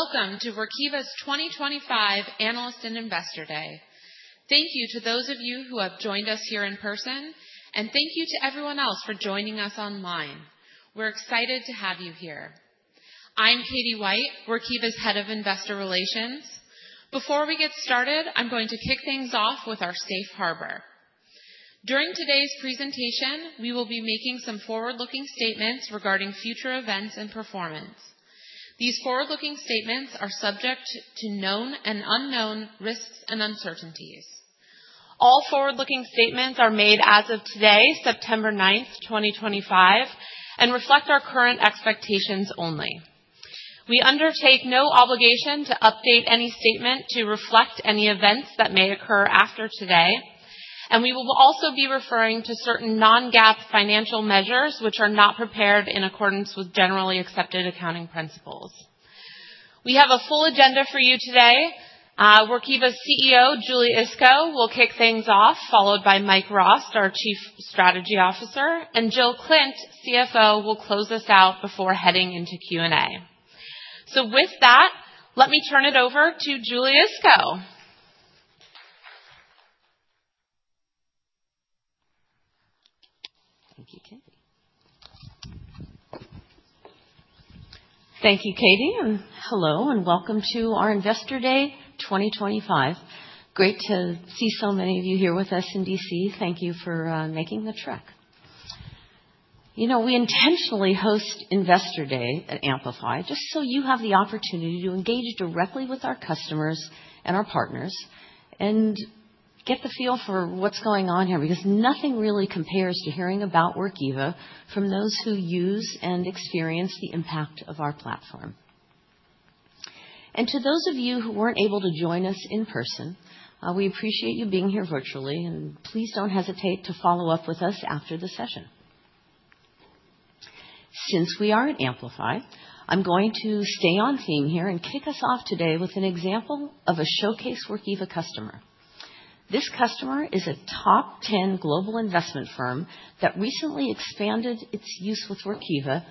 Welcome to Workiva's 2025 Analyst and Investor Day. Thank you to those of you who have joined us here in person, and thank you to everyone else for joining us online. We're excited to have you here. I'm Katie White, Workiva's Head of Investor Relations. Before we get started, I'm going to kick things off with our Safe Harbor. During today's presentation, we will be making some forward-looking statements regarding future events and performance. These forward-looking statements are subject to known and unknown risks and uncertainties. All forward-looking statements are made as of today, September 9th, 2025, and reflect our current expectations only. We undertake no obligation to update any statement to reflect any events that may occur after today, and we will also be referring to certain non-GAAP financial measures which are not prepared in accordance with generally accepted accounting principles. We have a full agenda for you today. Workiva's CEO, Julie Iskow, will kick things off, followed by Mike Rost, our Chief Strategy Officer, and Jill Klindt, CFO, will close us out before heading into Q&A. With that, let me turn it over to Julie Iskow. Thank you, Katie. Thank you, Katie, and hello and welcome to our Investor Day 2025. Great to see so many of you here with us in D.C. Thank you for making the trek. You know, we intentionally host Investor Day at Amplify just so you have the opportunity to engage directly with our customers and our partners and get the feel for what's going on here because nothing really compares to hearing about Workiva from those who use and experience the impact of our platform. And to those of you who weren't able to join us in person, we appreciate you being here virtually, and please don't hesitate to follow up with us after the session. Since we are at Amplify, I'm going to stay on theme here and kick us off today with an example of a showcase Workiva customer. This customer is a top 10 global investment firm that recently expanded its use with Workiva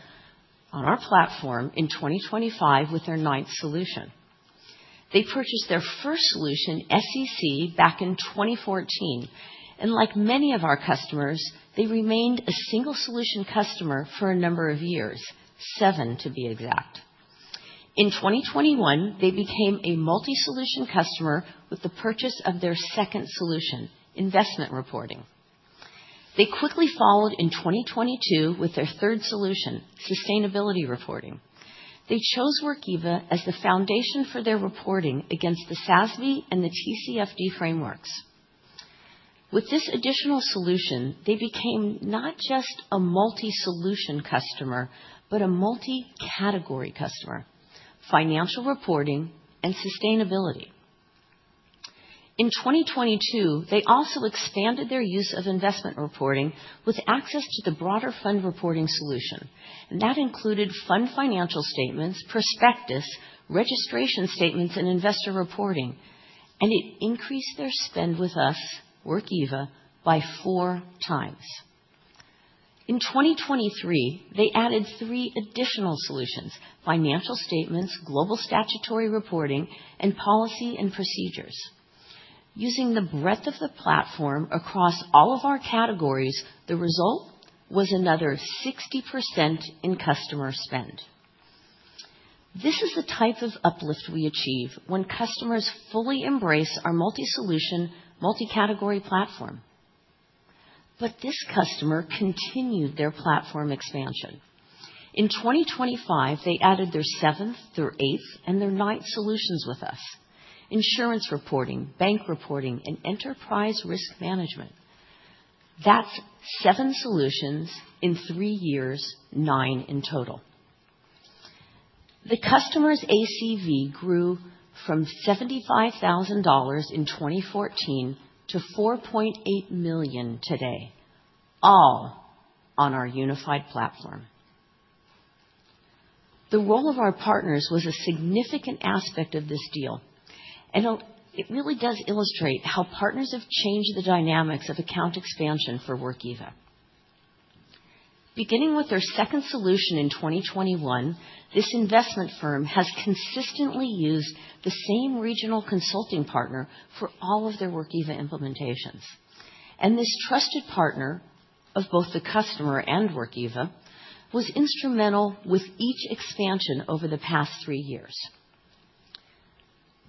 on our platform in 2025 with their ninth solution. They purchased their first solution, SEC, back in 2014, and like many of our customers, they remained a single solution customer for a number of years, seven to be exact. In 2021, they became a multi-solution customer with the purchase of their second solution, Investment Reporting. They quickly followed in 2022 with their third solution, Sustainability Reporting. They chose Workiva as the foundation for their reporting against the SASB and the TCFD frameworks. With this additional solution, they became not just a multi-solution customer, but a multi-category customer: Financial Reporting and Sustainability. In 2022, they also expanded their use of Investment Reporting with access to the broader Fund Reporting solution, and that included fund financial statements, prospectus, registration statements, and investor reporting, and it increased their spend with us, Workiva, by 4x. In 2023, they added three additional solutions: Financial Statements, Global Statutory Reporting, and Policies and Procedures. Using the breadth of the platform across all of our categories, the result was another 60% in customer spend. This is the type of uplift we achieve when customers fully embrace our multi-solution, multi-category platform. But this customer continued their platform expansion. In 2025, they added their seventh, their eighth, and their ninth solutions with us: Insurance Reporting, Bank Reporting, and Enterprise Risk Management. That's seven solutions in three years, nine in total. The customer's ACV grew from $75,000 in 2014 to $4.8 million today, all on our unified platform. The role of our partners was a significant aspect of this deal, and it really does illustrate how partners have changed the dynamics of account expansion for Workiva. Beginning with their second solution in 2021, this investment firm has consistently used the same regional consulting partner for all of their Workiva implementations, and this trusted partner of both the customer and Workiva was instrumental with each expansion over the past three years.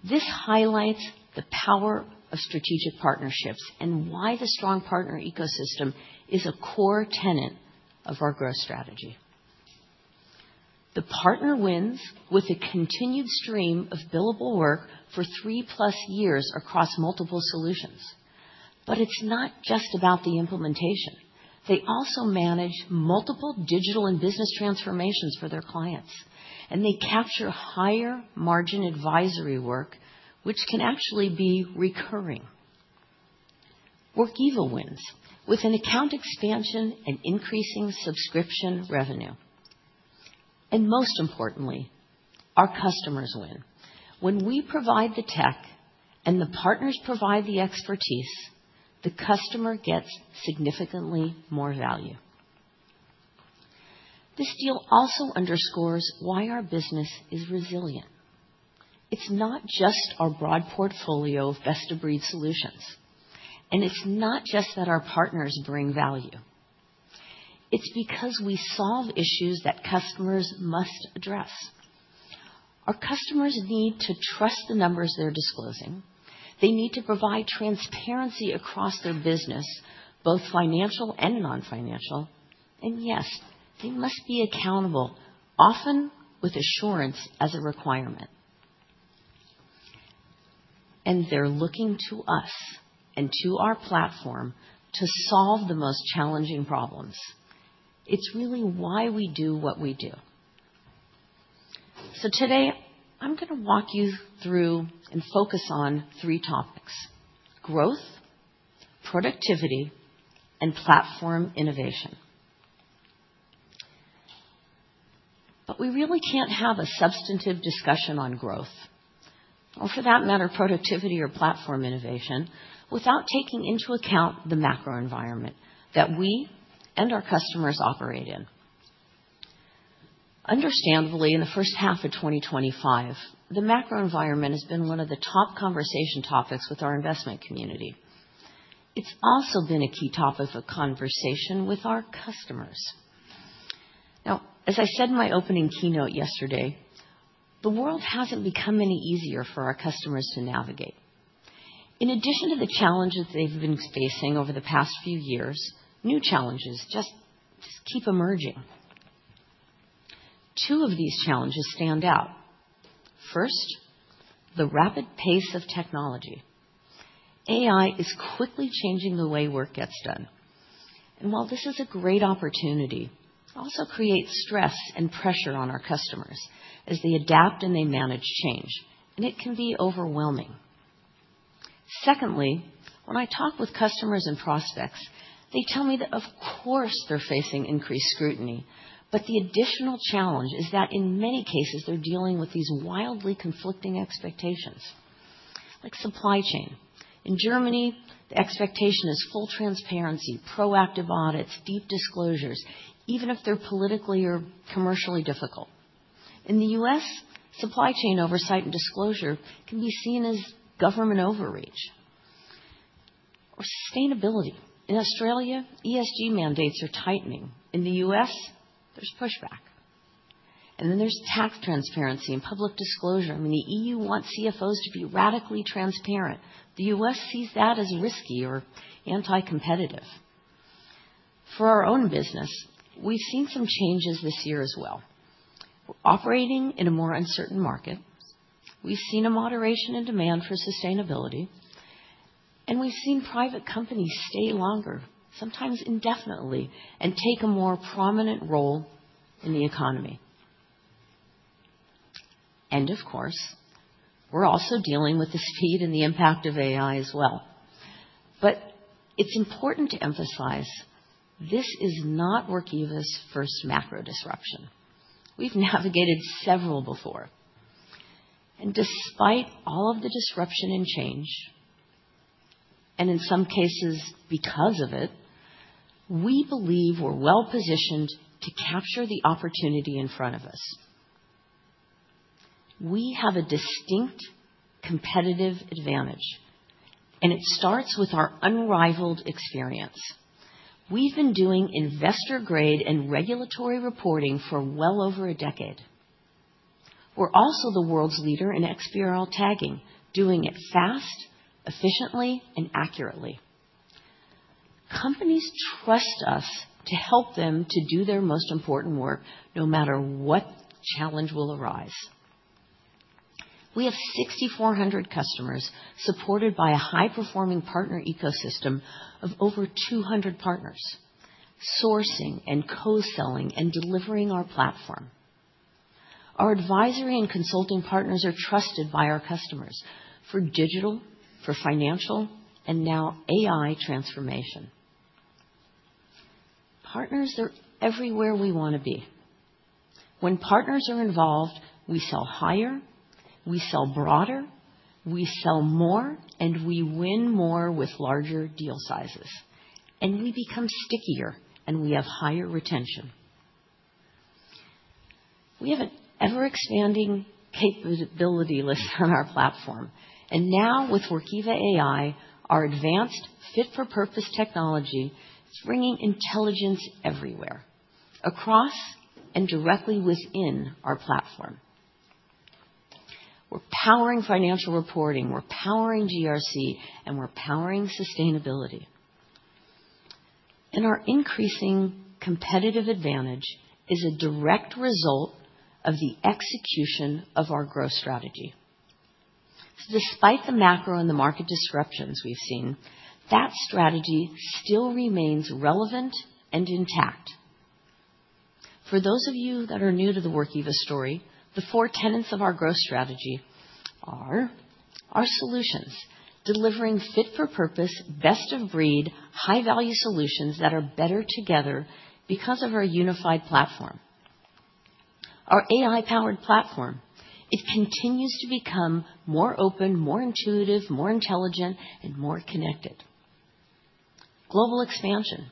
This highlights the power of strategic partnerships and why the strong partner ecosystem is a core tenet of our growth strategy. The partner wins with a continued stream of billable work for 3+ years across multiple solutions, but it's not just about the implementation. They also manage multiple digital and business transformations for their clients, and they capture higher margin advisory work, which can actually be recurring. Workiva wins with an account expansion and increasing subscription revenue. And most importantly, our customers win. When we provide the tech and the partners provide the expertise, the customer gets significantly more value. This deal also underscores why our business is resilient. It's not just our broad portfolio of best-of-breed solutions, and it's not just that our partners bring value. It's because we solve issues that customers must address. Our customers need to trust the numbers they're disclosing. They need to provide transparency across their business, both financial and non-financial, and yes, they must be accountable, often with assurance as a requirement. And they're looking to us and to our platform to solve the most challenging problems. It's really why we do what we do. So today, I'm going to walk you through and focus on three topics: growth, productivity, and platform innovation. But we really can't have a substantive discussion on growth, or for that matter, productivity or platform innovation, without taking into account the macro environment that we and our customers operate in. Understandably, in the first half of 2025, the macro environment has been one of the top conversation topics with our investment community. It's also been a key topic of conversation with our customers. Now, as I said in my opening keynote yesterday, the world hasn't become any easier for our customers to navigate. In addition to the challenges they've been facing over the past few years, new challenges just keep emerging. Two of these challenges stand out. First, the rapid pace of technology. AI is quickly changing the way work gets done. And while this is a great opportunity, it also creates stress and pressure on our customers as they adapt and they manage change, and it can be overwhelming. Secondly, when I talk with customers and prospects, they tell me that, of course, they're facing increased scrutiny, but the additional challenge is that in many cases, they're dealing with these wildly conflicting expectations, like supply chain. In Germany, the expectation is full transparency, proactive audits, deep disclosures, even if they're politically or commercially difficult. In the U.S., supply chain oversight and disclosure can be seen as government overreach or sustainability. In Australia, ESG mandates are tightening. In the U.S., there's pushback. And then there's tax transparency and public disclosure. I mean, the E.U. wants CFOs to be radically transparent. The U.S. sees that as risky or anti-competitive. For our own business, we've seen some changes this year as well. We're operating in a more uncertain market. We've seen a moderation in demand for sustainability, and we've seen private companies stay longer, sometimes indefinitely, and take a more prominent role in the economy. And of course, we're also dealing with the speed and the impact of AI as well. But it's important to emphasize this is not Workiva's first macro disruption. We've navigated several before. And despite all of the disruption and change, and in some cases because of it, we believe we're well positioned to capture the opportunity in front of us. We have a distinct competitive advantage, and it starts with our unrivaled experience. We've been doing investor-grade and regulatory reporting for well over a decade. We're also the world's leader in XBRL tagging, doing it fast, efficiently, and accurately. Companies trust us to help them to do their most important work no matter what challenge will arise. We have 6,400 customers supported by a high-performing partner ecosystem of over 200 partners sourcing and co-selling and delivering our platform. Our advisory and consulting partners are trusted by our customers for digital, for financial, and now AI transformation. Partners, they're everywhere we want to be. When partners are involved, we sell higher, we sell broader, we sell more, and we win more with larger deal sizes, and we become stickier, and we have higher retention. We have an ever-expanding capability list on our platform, and now with Workiva AI, our advanced fit-for-purpose technology is bringing intelligence everywhere, across and directly within our platform. We're powering financial reporting, we're powering GRC, and we're powering sustainability, and our increasing competitive advantage is a direct result of the execution of our growth strategy. Despite the macro and the market disruptions we've seen, that strategy still remains relevant and intact. For those of you that are new to the Workiva story, the four tenets of our growth strategy are our solutions, delivering fit-for-purpose, best-of-breed, high-value solutions that are better together because of our unified platform. Our AI-powered platform, it continues to become more open, more intuitive, more intelligent, and more connected. Global expansion,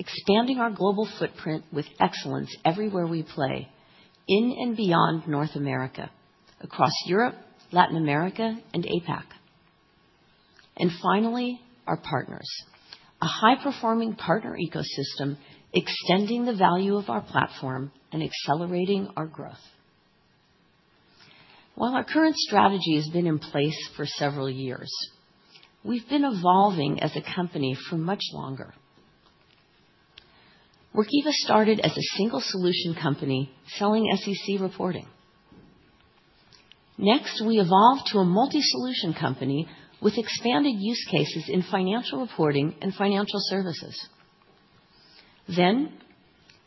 expanding our global footprint with excellence everywhere we play, in and beyond North America, across Europe, Latin America, and APAC. Finally, our partners, a high-performing partner ecosystem extending the value of our platform and accelerating our growth. While our current strategy has been in place for several years, we've been evolving as a company for much longer. Workiva started as a single solution company selling SEC reporting. Next, we evolved to a multi-solution company with expanded use cases in financial reporting and financial services. Then,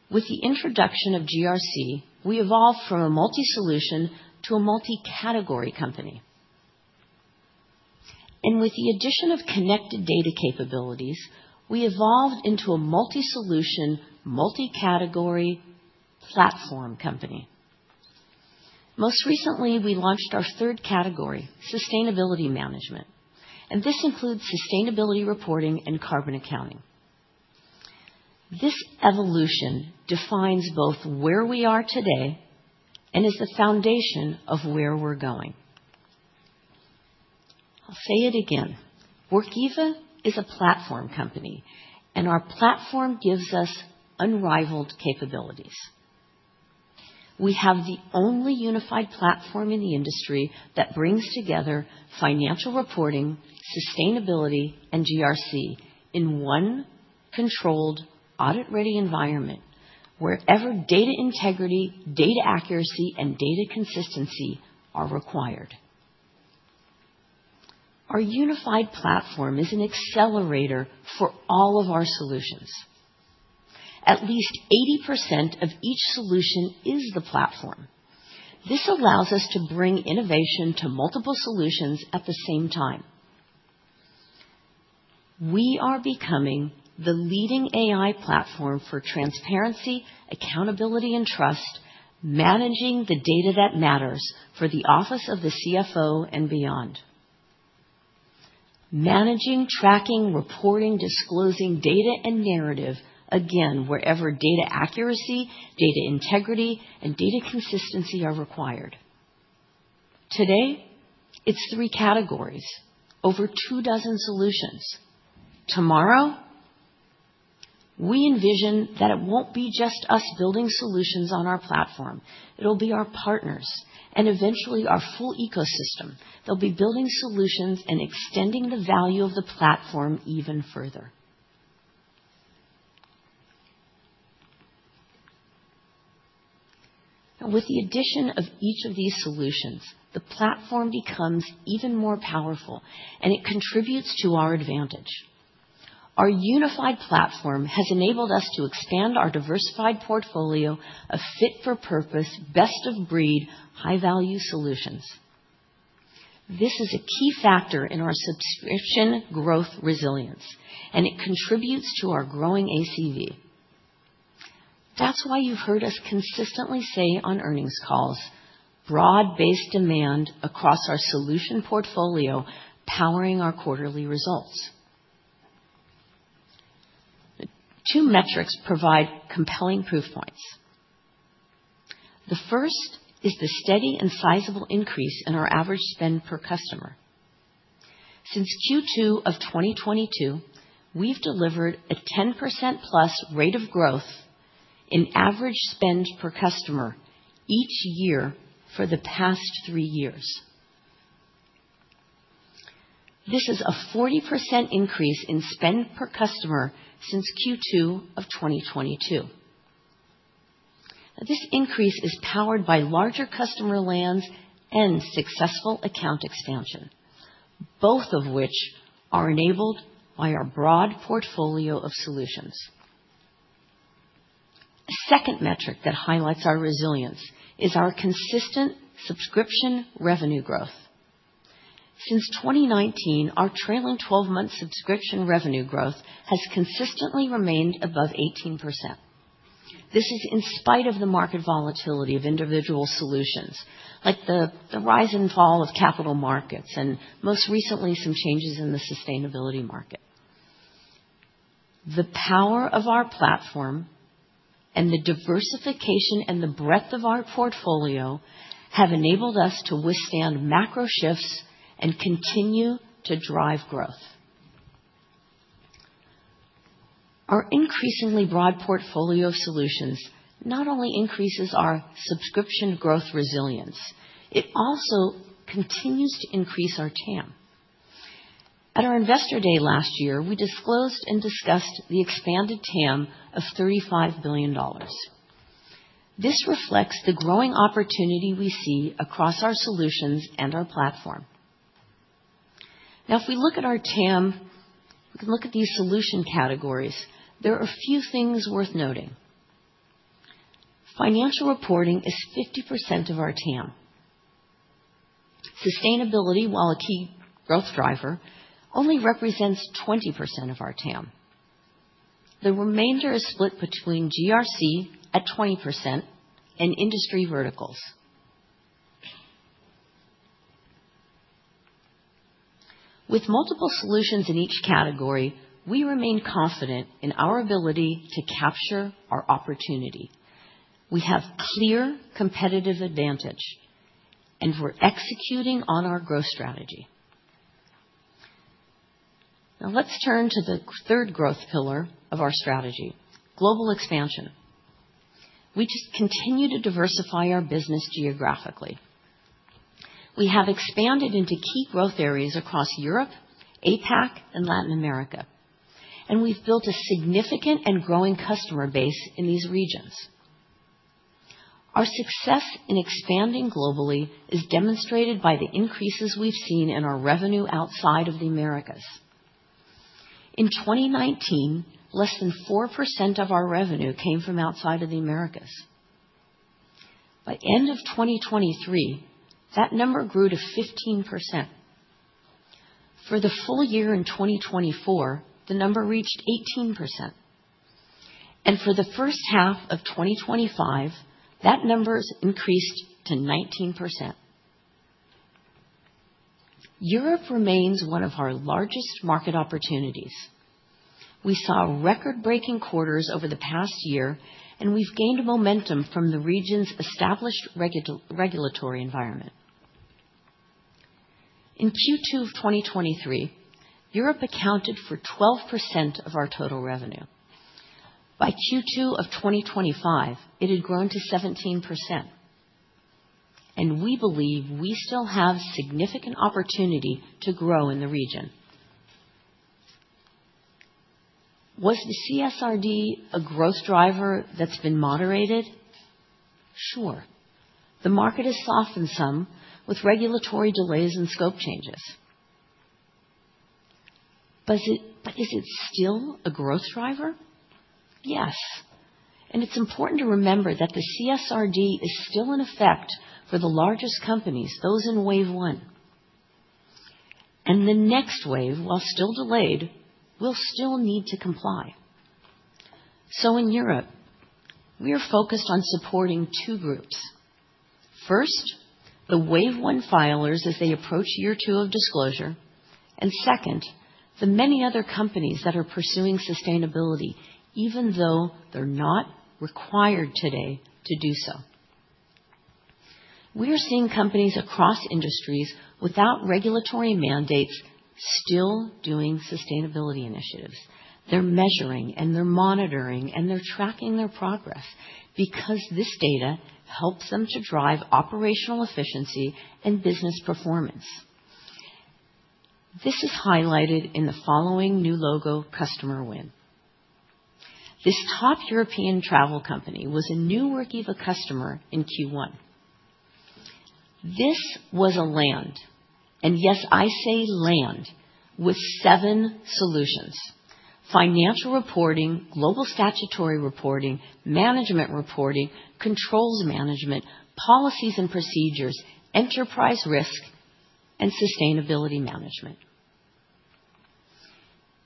with the introduction of GRC, we evolved from a multi-solution to a multi-category company. And with the addition of connected data capabilities, we evolved into a multi-solution, multi-category platform company. Most recently, we launched our third category, Sustainability Management, and this includes Sustainability Reporting and Carbon Accounting. This evolution defines both where we are today and is the foundation of where we're going. I'll say it again. Workiva is a platform company, and our platform gives us unrivaled capabilities. We have the only unified platform in the industry that brings together Financial Reporting, Sustainability, and GRC in one controlled, audit-ready environment wherever data integrity, data accuracy, and data consistency are required. Our unified platform is an accelerator for all of our solutions. At least 80% of each solution is the platform. This allows us to bring innovation to multiple solutions at the same time. We are becoming the leading AI platform for transparency, accountability, and trust, managing the data that matters for the Office of the CFO and beyond. Managing, tracking, reporting, disclosing data and narrative, again, wherever data accuracy, data integrity, and data consistency are required. Today, it's three categories, over two dozen solutions. Tomorrow, we envision that it won't be just us building solutions on our platform. It'll be our partners and eventually our full ecosystem. They'll be building solutions and extending the value of the platform even further. Now, with the addition of each of these solutions, the platform becomes even more powerful, and it contributes to our advantage. Our unified platform has enabled us to expand our diversified portfolio of fit-for-purpose, best-of-breed, high-value solutions. This is a key factor in our subscription growth resilience, and it contributes to our growing ACV. That's why you've heard us consistently say on earnings calls, broad-based demand across our solution portfolio powering our quarterly results. Two metrics provide compelling proof points. The first is the steady and sizable increase in our average spend per customer. Since Q2 of 2022, we've delivered a 10%+ rate of growth in average spend per customer each year for the past three years. This is a 40% increase in spend per customer since Q2 of 2022. This increase is powered by larger customer lands and successful account expansion, both of which are enabled by our broad portfolio of solutions. A second metric that highlights our resilience is our consistent subscription revenue growth. Since 2019, our trailing 12-month subscription revenue growth has consistently remained above 18%. This is in spite of the market volatility of individual solutions, like the rise and fall of capital markets and most recently some changes in the sustainability market. The power of our platform and the diversification and the breadth of our portfolio have enabled us to withstand macro shifts and continue to drive growth. Our increasingly broad portfolio of solutions not only increases our subscription growth resilience, it also continues to increase our TAM. At our investor day last year, we disclosed and discussed the expanded TAM of $35 billion. This reflects the growing opportunity we see across our solutions and our platform. Now, if we look at our TAM, we can look at these solution categories. There are a few things worth noting. Financial Reporting is 50% of our TAM. Sustainability, while a key growth driver, only represents 20% of our TAM. The remainder is split between GRC at 20% and industry verticals. With multiple solutions in each category, we remain confident in our ability to capture our opportunity. We have clear competitive advantage, and we're executing on our growth strategy. Now, let's turn to the third growth pillar of our strategy, global expansion. We just continue to diversify our business geographically. We have expanded into key growth areas across Europe, APAC, and Latin America, and we've built a significant and growing customer base in these regions. Our success in expanding globally is demonstrated by the increases we've seen in our revenue outside of the Americas. In 2019, less than 4% of our revenue came from outside of the Americas. By the end of 2023, that number grew to 15%. For the full year in 2024, the number reached 18%. And for the first half of 2025, that number increased to 19%. Europe remains one of our largest market opportunities. We saw record-breaking quarters over the past year, and we've gained momentum from the region's established regulatory environment. In Q2 of 2023, Europe accounted for 12% of our total revenue. By Q2 of 2025, it had grown to 17%, and we believe we still have significant opportunity to grow in the region. Was the CSRD a growth driver that's been moderated? Sure. The market has softened some with regulatory delays and scope changes, but is it still a growth driver? Yes, and it's important to remember that the CSRD is still in effect for the largest companies, those in Wave 1. And the next wave, while still delayed, will still need to comply, so in Europe, we are focused on supporting two groups. First, the Wave 1 filers as they approach year two of disclosure, and second, the many other companies that are pursuing sustainability, even though they're not required today to do so. We are seeing companies across industries without regulatory mandates still doing sustainability initiatives. They're measuring, and they're monitoring, and they're tracking their progress because this data helps them to drive operational efficiency and business performance. This is highlighted in the following new logo, Customer Win. This top European travel company was a new Workiva customer in Q1. This was a land, and yes, I say land, with seven solutions: Financial Reporting, Global Statutory Reporting, Management Reporting, Controls Management, Policies and Procedures, Enterprise Risk, and Sustainability Management.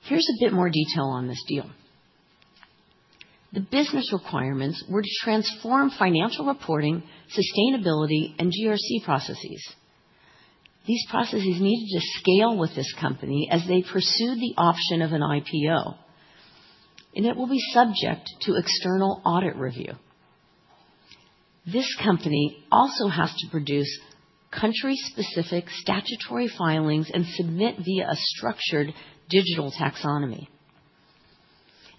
Here's a bit more detail on this deal. The business requirements were to transform Financial Reporting, Sustainability, and GRC processes. These processes needed to scale with this company as they pursued the option of an IPO, and it will be subject to external audit review. This company also has to produce country-specific statutory filings and submit via a structured digital taxonomy.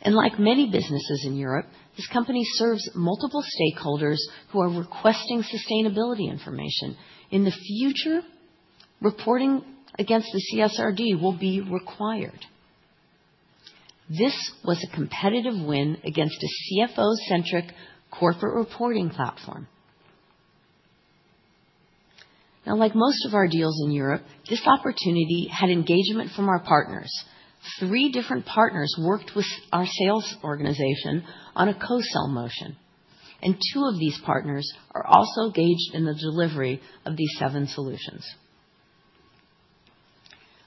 Like many businesses in Europe, this company serves multiple stakeholders who are requesting sustainability information. In the future, reporting against the CSRD will be required. This was a competitive win against a CFO-centric corporate reporting platform. Now, like most of our deals in Europe, this opportunity had engagement from our partners. Three different partners worked with our sales organization on a co-sell motion, and two of these partners are also engaged in the delivery of these seven solutions.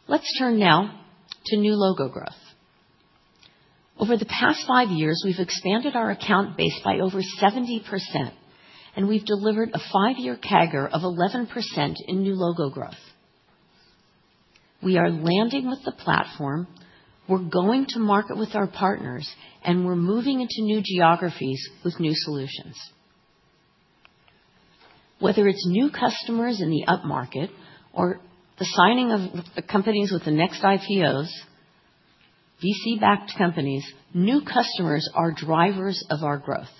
Let's turn now to new logo growth. Over the past five years, we've expanded our account base by over 70%, and we've delivered a five-year CAGR of 11% in new logo growth. We are landing with the platform. We're going to market with our partners, and we're moving into new geographies with new solutions. Whether it's new customers in the upmarket or the signing of companies with the next IPOs, VC-backed companies, new customers are drivers of our growth.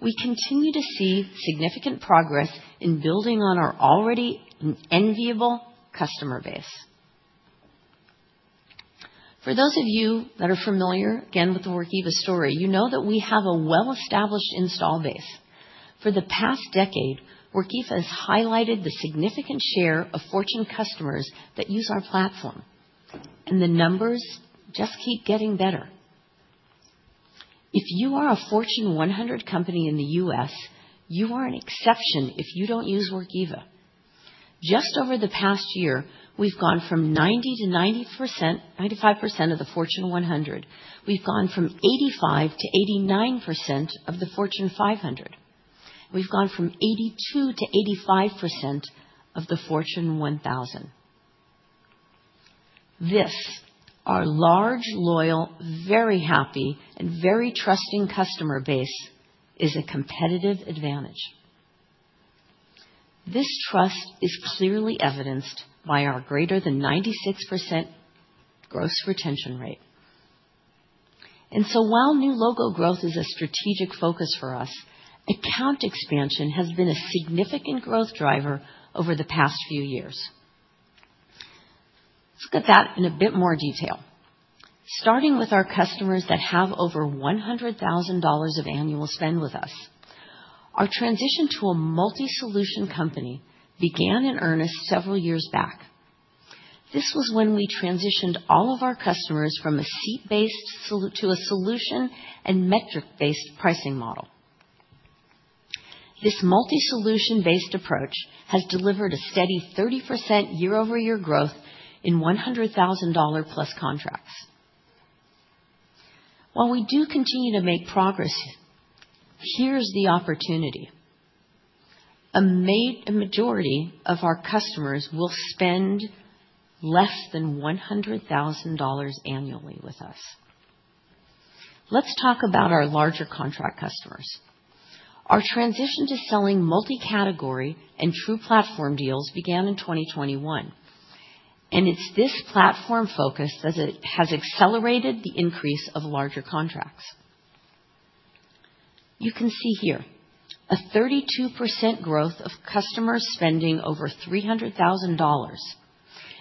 We continue to see significant progress in building on our already enviable customer base. For those of you that are familiar, again, with the Workiva story, you know that we have a well-established installed base. For the past decade, Workiva has highlighted the significant share of Fortune customers that use our platform, and the numbers just keep getting better. If you are a Fortune 100 company in the U.S., you are an exception if you don't use Workiva. Just over the past year, we've gone from 90% to 95% of the Fortune 100. We've gone from 85% to 89% of the Fortune 500. We've gone from 82% to 85% of the Fortune 1000. This, our large, loyal, very happy, and very trusting customer base, is a competitive advantage. This trust is clearly evidenced by our greater than 96% gross retention rate. And so while new logo growth is a strategic focus for us, account expansion has been a significant growth driver over the past few years. Let's look at that in a bit more detail. Starting with our customers that have over $100,000 of annual spend with us, our transition to a multi-solution company began in earnest several years back. This was when we transitioned all of our customers from a seat-based to a solution and metric-based pricing model. This multi-solution-based approach has delivered a steady 30% year-over-year growth in $100,000+ contracts. While we do continue to make progress, here's the opportunity. A majority of our customers will spend less than $100,000 annually with us. Let's talk about our larger contract customers. Our transition to selling multi-category and true platform deals began in 2021, and it's this platform focus that has accelerated the increase of larger contracts. You can see here a 32% growth of customers spending over $300,000,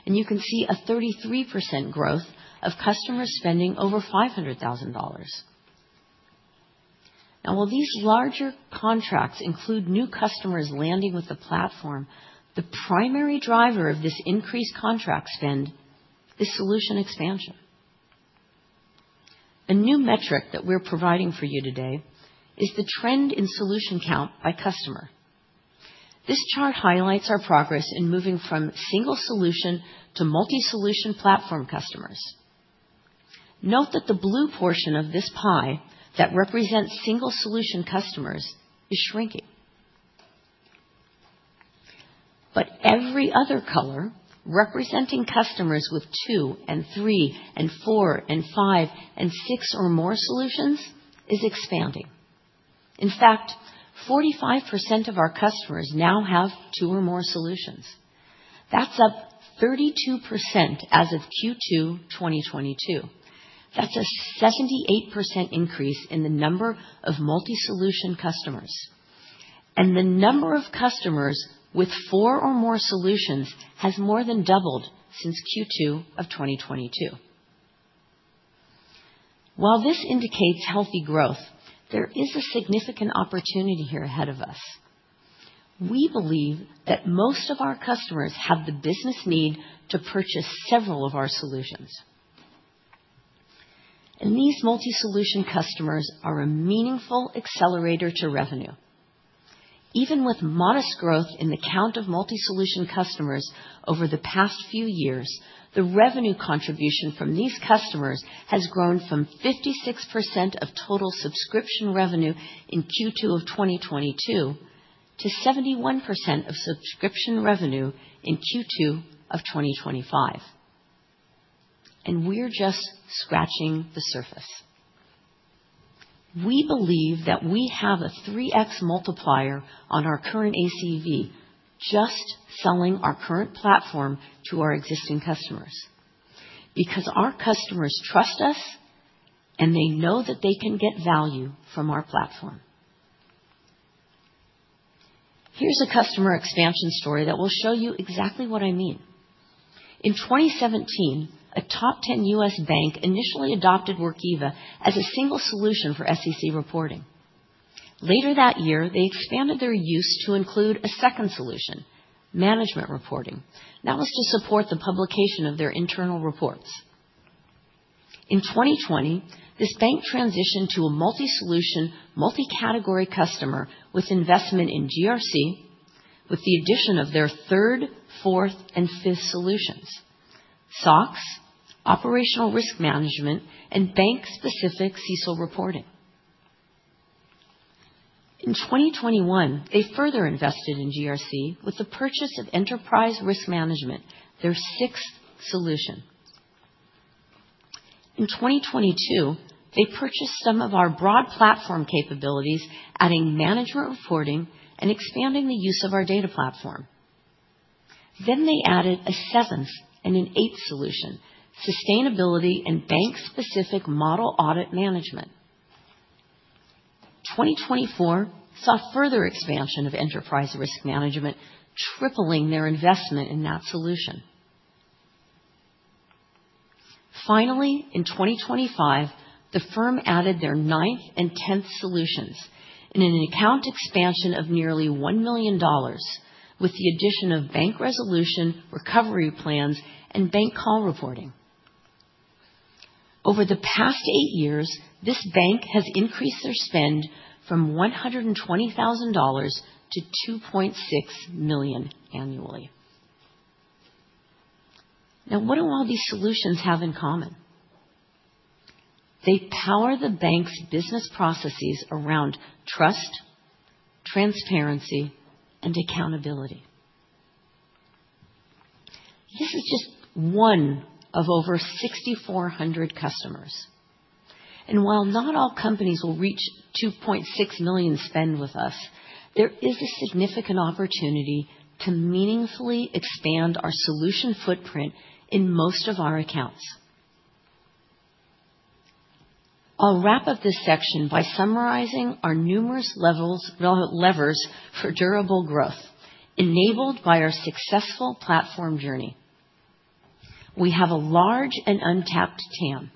and you can see a 33% growth of customers spending over $500,000. Now, while these larger contracts include new customers landing with the platform, the primary driver of this increased contract spend is solution expansion. A new metric that we're providing for you today is the trend in solution count by customer. This chart highlights our progress in moving from single-solution to multi-solution platform customers. Note that the blue portion of this pie that represents single-solution customers is shrinking, but every other color representing customers with two and three and four and five and six or more solutions is expanding. In fact, 45% of our customers now have two or more solutions. That's up 32% as of Q2 2022. That's a 78% increase in the number of multi-solution customers, and the number of customers with four or more solutions has more than doubled since Q2 of 2022. While this indicates healthy growth, there is a significant opportunity here ahead of us. We believe that most of our customers have the business need to purchase several of our solutions, and these multi-solution customers are a meaningful accelerator to revenue. Even with modest growth in the count of multi-solution customers over the past few years, the revenue contribution from these customers has grown from 56% of total subscription revenue in Q2 of 2022 to 71% of subscription revenue in Q2 of 2025. And we're just scratching the surface. We believe that we have a 3x multiplier on our current ACV, just selling our current platform to our existing customers, because our customers trust us, and they know that they can get value from our platform. Here's a customer expansion story that will show you exactly what I mean. In 2017, a top 10 U.S. bank initially adopted Workiva as a single solution for SEC reporting. Later that year, they expanded their use to include a second solution, Management Reporting. That was to support the publication of their internal reports. In 2020, this bank transitioned to a multi-solution, multi-category customer with investment in GRC, with the addition of their third, fourth, and fifth solutions: SOX, Operational Risk Management, and bank-specific CISO reporting. In 2021, they further invested in GRC with the purchase of Enterprise Risk Management, their sixth solution. In 2022, they purchased some of our broad platform capabilities, adding Management Reporting and expanding the use of our data platform. Then they added a seventh and an eighth solution, sustainability and bank-specific Model Audit Management. 2024 saw further expansion of Enterprise Risk Management, tripling their investment in that solution. Finally, in 2025, the firm added their ninth and tenth solutions in an account expansion of nearly $1 million, with the addition of Bank Resolution Recovery Plans and Bank Call Reporting. Over the past eight years, this bank has increased their spend from $120,000 to $2.6 million annually. Now, what do all these solutions have in common? They power the bank's business processes around trust, transparency, and accountability. This is just one of over 6,400 customers. And while not all companies will reach $2.6 million spend with us, there is a significant opportunity to meaningfully expand our solution footprint in most of our accounts. I'll wrap up this section by summarizing our numerous levers for durable growth enabled by our successful platform journey. We have a large and untapped TAM.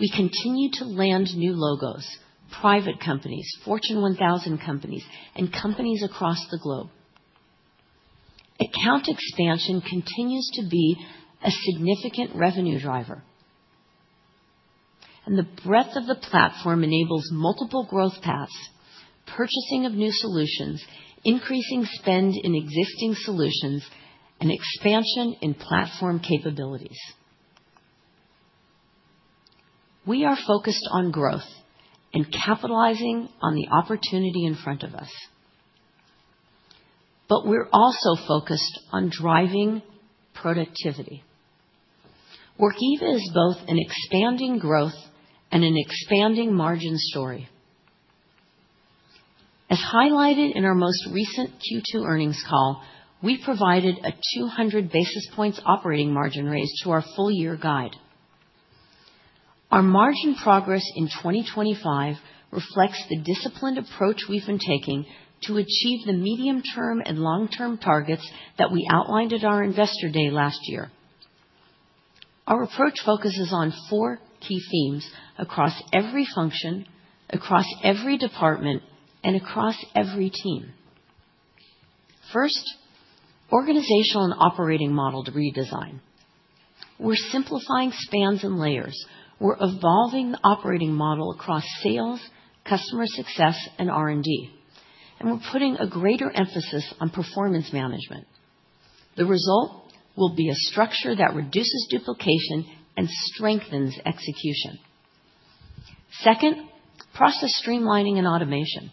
We continue to land new logos, private companies, Fortune 1000 companies, and companies across the globe. Account expansion continues to be a significant revenue driver. And the breadth of the platform enables multiple growth paths, purchasing of new solutions, increasing spend in existing solutions, and expansion in platform capabilities. We are focused on growth and capitalizing on the opportunity in front of us. But we're also focused on driving productivity. Workiva is both an expanding growth and an expanding margin story. As highlighted in our most recent Q2 earnings call, we provided a 200 basis points operating margin raise to our full-year guide. Our margin progress in 2025 reflects the disciplined approach we've been taking to achieve the medium-term and long-term targets that we outlined at our investor day last year. Our approach focuses on four key themes across every function, across every department, and across every team. First, organizational and operating model redesign. We're simplifying spans and layers. We're evolving the operating model across sales, customer success, and R&D. And we're putting a greater emphasis on performance management. The result will be a structure that reduces duplication and strengthens execution. Second, process streamlining and automation.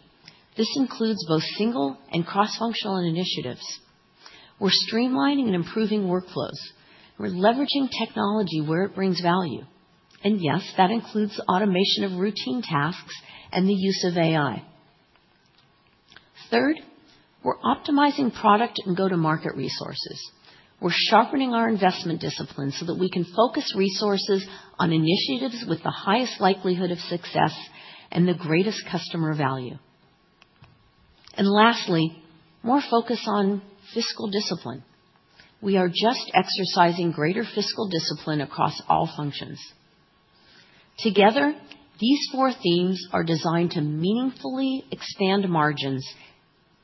This includes both single and cross-functional initiatives. We're streamlining and improving workflows. We're leveraging technology where it brings value, and yes, that includes automation of routine tasks and the use of AI. Third, we're optimizing product and go-to-market resources. We're sharpening our investment discipline so that we can focus resources on initiatives with the highest likelihood of success and the greatest customer value, and lastly, more focus on fiscal discipline. We are just exercising greater fiscal discipline across all functions. Together, these four themes are designed to meaningfully expand margins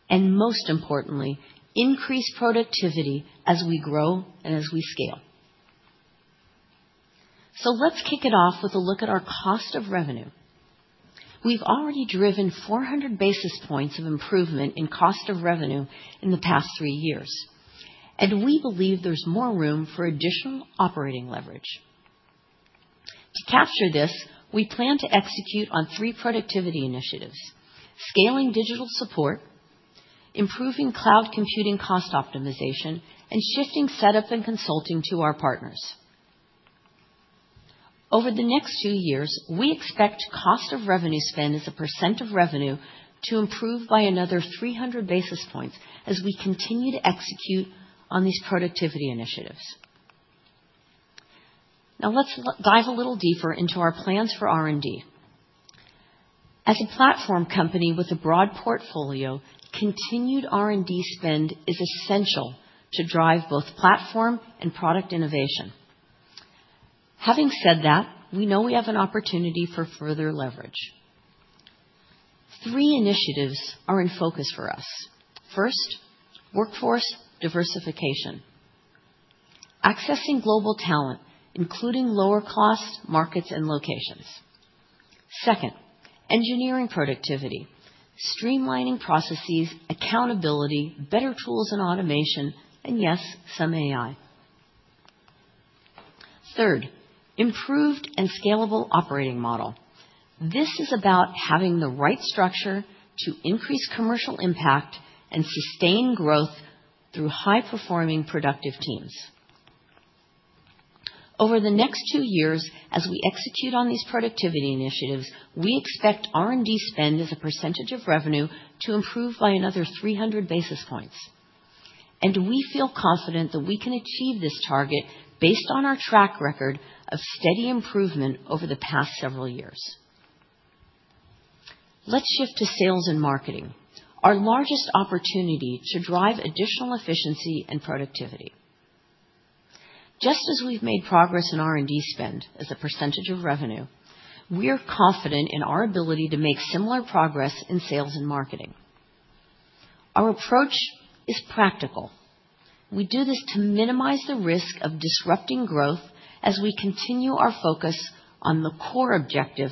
and, most importantly, increase productivity as we grow and as we scale, so let's kick it off with a look at our cost of revenue. We've already driven 400 basis points of improvement in cost of revenue in the past three years, and we believe there's more room for additional operating leverage. To capture this, we plan to execute on three productivity initiatives: scaling digital support, improving cloud computing cost optimization, and shifting setup and consulting to our partners. Over the next two years, we expect cost of revenue spend as a percent of revenue to improve by another 300 basis points as we continue to execute on these productivity initiatives. Now, let's dive a little deeper into our plans for R&D. As a platform company with a broad portfolio, continued R&D spend is essential to drive both platform and product innovation. Having said that, we know we have an opportunity for further leverage. Three initiatives are in focus for us. First, workforce diversification. Accessing global talent, including lower-cost markets and locations. Second, engineering productivity. Streamlining processes, accountability, better tools and automation, and yes, some AI. Third, improved and scalable operating model. This is about having the right structure to increase commercial impact and sustain growth through high-performing productive teams. Over the next two years, as we execute on these productivity initiatives, we expect R&D spend as a percentage of revenue to improve by another 300 basis points. And we feel confident that we can achieve this target based on our track record of steady improvement over the past several years. Let's shift to sales and marketing. Our largest opportunity to drive additional efficiency and productivity. Just as we've made progress in R&D spend as a percentage of revenue, we're confident in our ability to make similar progress in sales and marketing. Our approach is practical. We do this to minimize the risk of disrupting growth as we continue our focus on the core objective,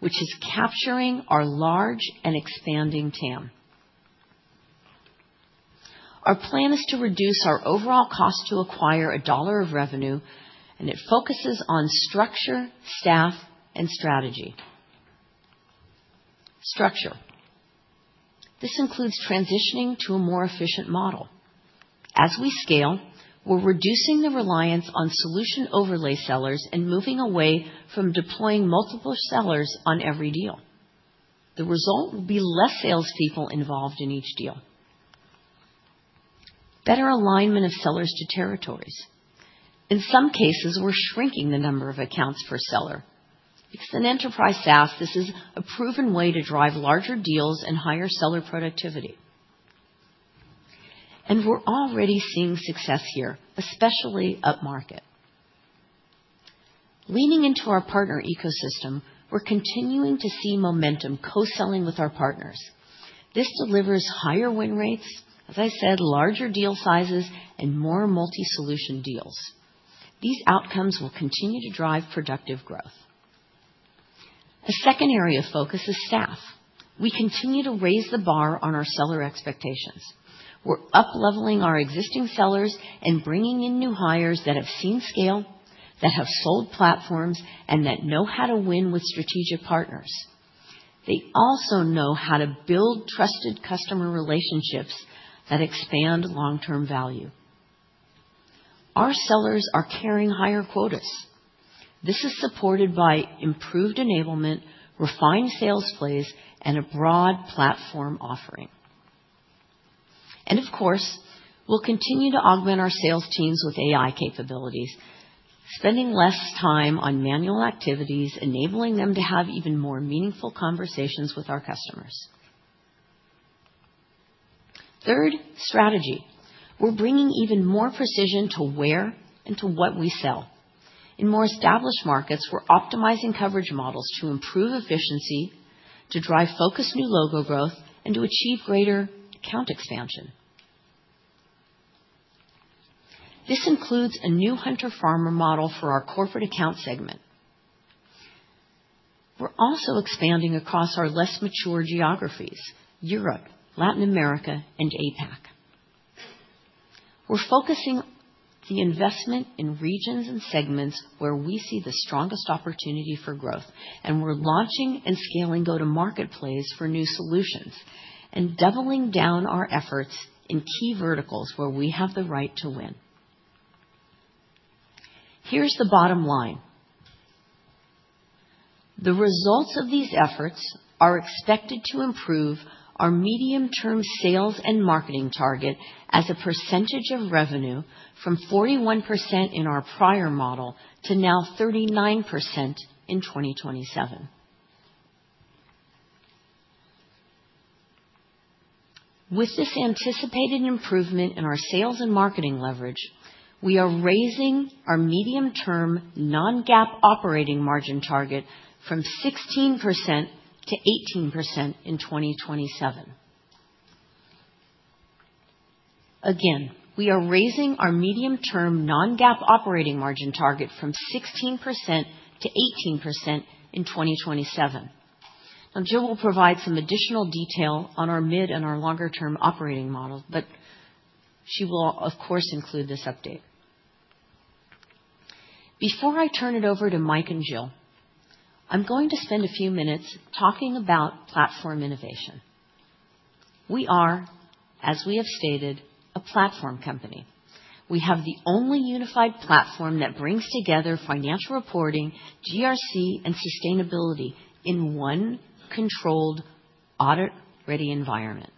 which is capturing our large and expanding TAM. Our plan is to reduce our overall cost to acquire a dollar of revenue, and it focuses on structure, staff, and strategy. Structure. This includes transitioning to a more efficient model. As we scale, we're reducing the reliance on solution overlay sellers and moving away from deploying multiple sellers on every deal. The result will be less salespeople involved in each deal. Better alignment of sellers to territories. In some cases, we're shrinking the number of accounts per seller. It's an enterprise SaaS. This is a proven way to drive larger deals and higher seller productivity. And we're already seeing success here, especially up market. Leaning into our partner ecosystem, we're continuing to see momentum co-selling with our partners. This delivers higher win rates, as I said, larger deal sizes, and more multi-solution deals. These outcomes will continue to drive productive growth. A second area of focus is staff. We continue to raise the bar on our seller expectations. We're up-leveling our existing sellers and bringing in new hires that have seen scale, that have sold platforms, and that know how to win with strategic partners. They also know how to build trusted customer relationships that expand long-term value. Our sellers are carrying higher quotas. This is supported by improved enablement, refined sales plays, and a broad platform offering. And of course, we'll continue to augment our sales teams with AI capabilities, spending less time on manual activities, enabling them to have even more meaningful conversations with our customers. Third, strategy. We're bringing even more precision to where and to what we sell. In more established markets, we're optimizing coverage models to improve efficiency, to drive focused new logo growth, and to achieve greater account expansion. This includes a new Hunter-Farmer model for our corporate account segment. We're also expanding across our less mature geographies: Europe, Latin America, and APAC. We're focusing the investment in regions and segments where we see the strongest opportunity for growth, and we're launching and scaling go-to-market plays for new solutions and doubling down our efforts in key verticals where we have the right to win. Here's the bottom line. The results of these efforts are expected to improve our medium-term sales and marketing target as a percentage of revenue from 41% in our prior model to now 39% in 2027. With this anticipated improvement in our sales and marketing leverage, we are raising our medium-term non-GAAP operating margin target from 16% to 18% in 2027. Again, we are raising our medium-term non-GAAP operating margin target from 16% to 18% in 2027. Now, Jill will provide some additional detail on our mid and our longer-term operating model, but she will, of course, include this update. Before I turn it over to Mike and Jill, I'm going to spend a few minutes talking about platform innovation. We are, as we have stated, a platform company. We have the only unified platform that brings together Financial Reporting, GRC, and Sustainability in one controlled, audit-ready environment.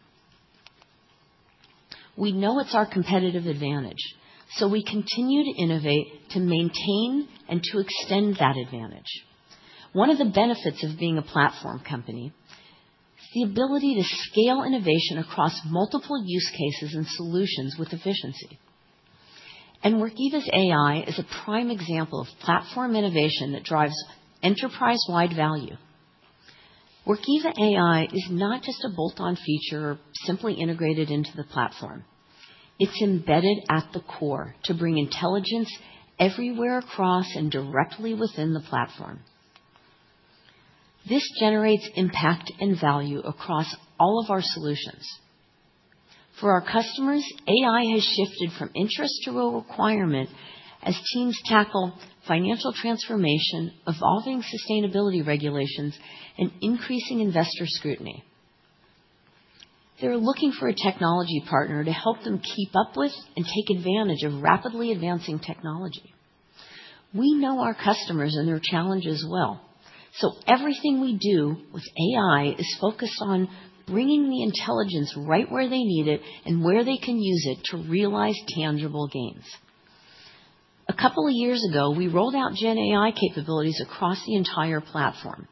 We know it's our competitive advantage, so we continue to innovate to maintain and to extend that advantage. One of the benefits of being a platform company is the ability to scale innovation across multiple use cases and solutions with efficiency. And Workiva's AI is a prime example of platform innovation that drives enterprise-wide value. Workiva AI is not just a bolt-on feature simply integrated into the platform. It's embedded at the core to bring intelligence everywhere across and directly within the platform. This generates impact and value across all of our solutions. For our customers, AI has shifted from interest to a requirement as teams tackle financial transformation, evolving sustainability regulations, and increasing investor scrutiny. They're looking for a technology partner to help them keep up with and take advantage of rapidly advancing technology. We know our customers and their challenges well. So everything we do with AI is focused on bringing the intelligence right where they need it and where they can use it to realize tangible gains. A couple of years ago, we rolled out GenAI capabilities across the entire platform.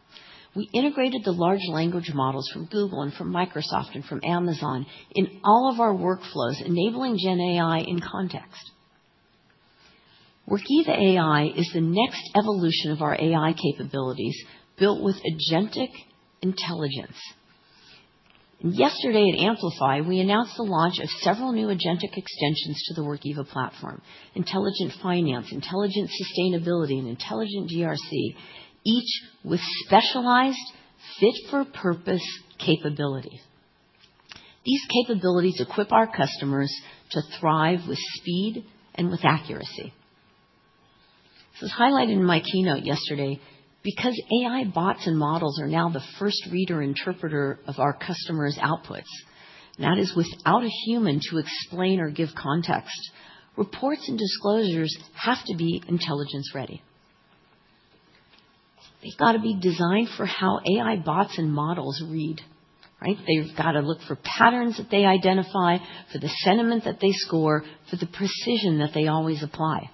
We integrated the large language models from Google and from Microsoft and from Amazon in all of our workflows, enabling GenAI in context. Workiva AI is the next evolution of our AI capabilities built with agentic intelligence. And yesterday at Amplify, we announced the launch of several new agentic extensions to the Workiva platform: Intelligent Finance, Intelligent Sustainability, and Intelligent GRC, each with specialized, fit-for-purpose capabilities. These capabilities equip our customers to thrive with speed and with accuracy. So as highlighted in my keynote yesterday, because AI bots and models are now the first reader-interpreter of our customers' outputs, that is without a human to explain or give context, reports and disclosures have to be intelligence-ready. They've got to be designed for how AI bots and models read, right? They've got to look for patterns that they identify, for the sentiment that they score, for the precision that they always apply.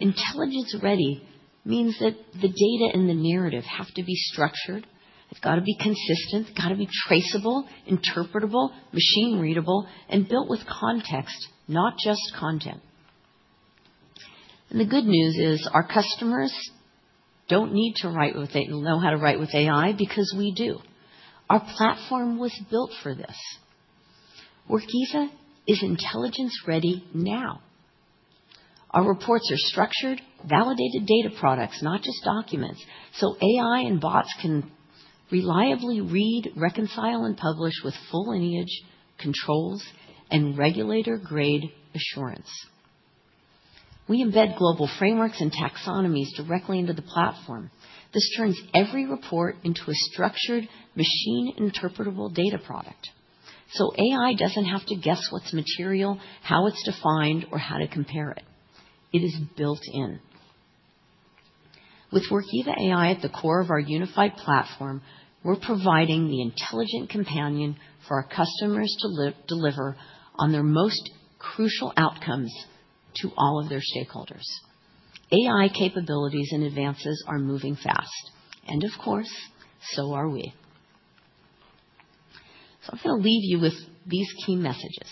Intelligence-ready means that the data and the narrative have to be structured. It's got to be consistent. It's got to be traceable, interpretable, machine-readable, and built with context, not just content, and the good news is our customers don't need to write with, they know how to write with AI because we do. Our platform was built for this. Workiva is intelligence-ready now. Our reports are structured, validated data products, not just documents, so AI and bots can reliably read, reconcile, and publish with full lineage controls and regulator-grade assurance. We embed global frameworks and taxonomies directly into the platform. This turns every report into a structured, machine-interpretable data product, so AI doesn't have to guess what's material, how it's defined, or how to compare it. It is built in. With Workiva AI at the core of our unified platform, we're providing the intelligent companion for our customers to deliver on their most crucial outcomes to all of their stakeholders. AI capabilities and advances are moving fast. And of course, so are we. So I'm going to leave you with these key messages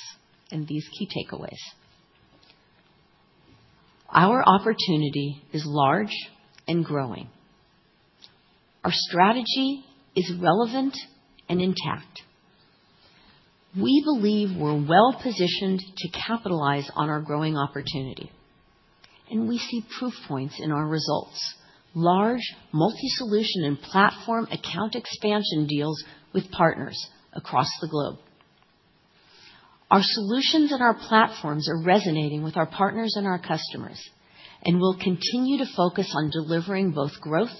and these key takeaways. Our opportunity is large and growing. Our strategy is relevant and intact. We believe we're well-positioned to capitalize on our growing opportunity. And we see proof points in our results: large, multi-solution, and platform account expansion deals with partners across the globe. Our solutions and our platforms are resonating with our partners and our customers, and we'll continue to focus on delivering both growth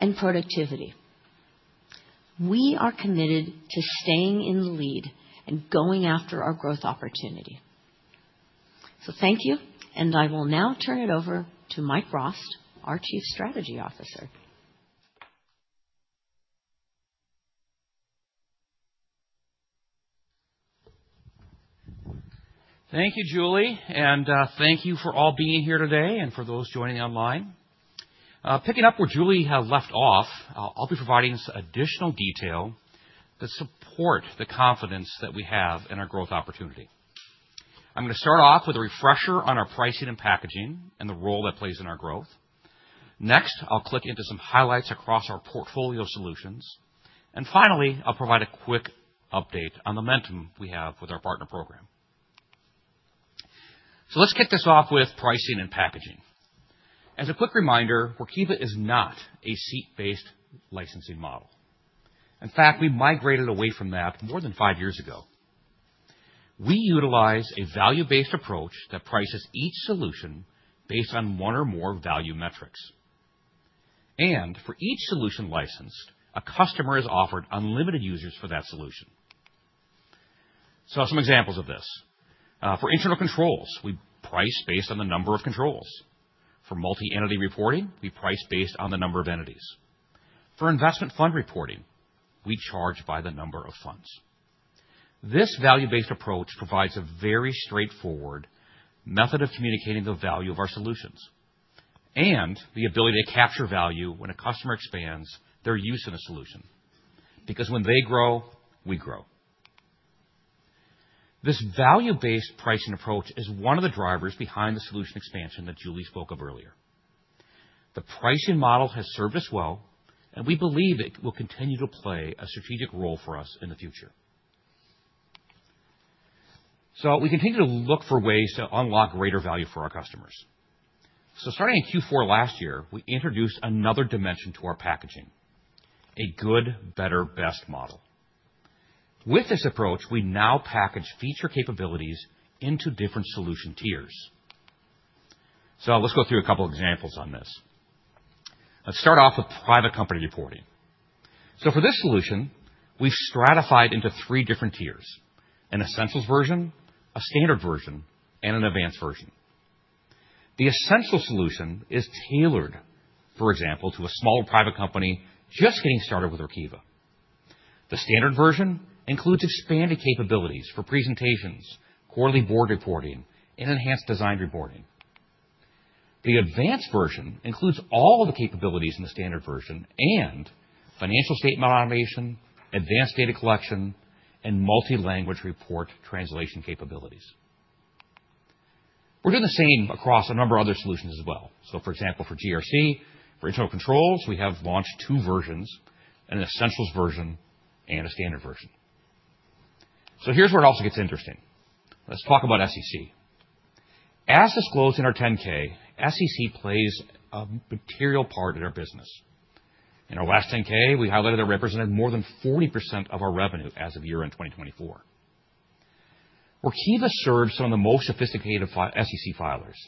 and productivity. We are committed to staying in the lead and going after our growth opportunity. So thank you, and I will now turn it over to Mike Rost, our Chief Strategy Officer. Thank you, Julie, and thank you for all being here today and for those joining online. Picking up where Julie left off, I'll be providing some additional detail to support the confidence that we have in our growth opportunity. I'm going to start off with a refresher on our pricing and packaging and the role that plays in our growth. Next, I'll click into some highlights across our portfolio solutions. And finally, I'll provide a quick update on the momentum we have with our partner program. So let's kick this off with pricing and packaging. As a quick reminder, Workiva is not a seat-based licensing model. In fact, we migrated away from that more than five years ago. We utilize a value-based approach that prices each solution based on one or more value metrics. And for each solution licensed, a customer is offered unlimited users for that solution. So some examples of this. For internal controls, we price based on the number of controls. For Multi-Entity Reporting, we price based on the number of entities. For investment Fund Reporting, we charge by the number of funds. This value-based approach provides a very straightforward method of communicating the value of our solutions and the ability to capture value when a customer expands their use of the solution. Because when they grow, we grow. This value-based pricing approach is one of the drivers behind the solution expansion that Julie spoke of earlier. The pricing model has served us well, and we believe it will continue to play a strategic role for us in the future. We continue to look for ways to unlock greater value for our customers. Starting in Q4 last year, we introduced another dimension to our packaging: a good, better, best model. With this approach, we now package feature capabilities into different solution tiers. So let's go through a couple of examples on this. Let's start off with Private Company Reporting. So for this solution, we've stratified into three different tiers: an essentials version, a standard version, and an advanced version. The essential solution is tailored, for example, to a small private company just getting started with Workiva. The standard version includes expanded capabilities for presentations, quarterly board reporting, and enhanced design reporting. The advanced version includes all the capabilities in the standard version and financial statement automation, advanced data collection, and multi-language report translation capabilities. We're doing the same across a number of other solutions as well. So for example, for GRC, for internal controls, we have launched two versions: an essentials version and a standard version. So here's where it also gets interesting. Let's talk about SEC. As disclosed in our 10-K, SEC plays a material part in our business. In our last 10-K, we highlighted that it represented more than 40% of our revenue as of year-end 2024. Workiva serves some of the most sophisticated SEC filers,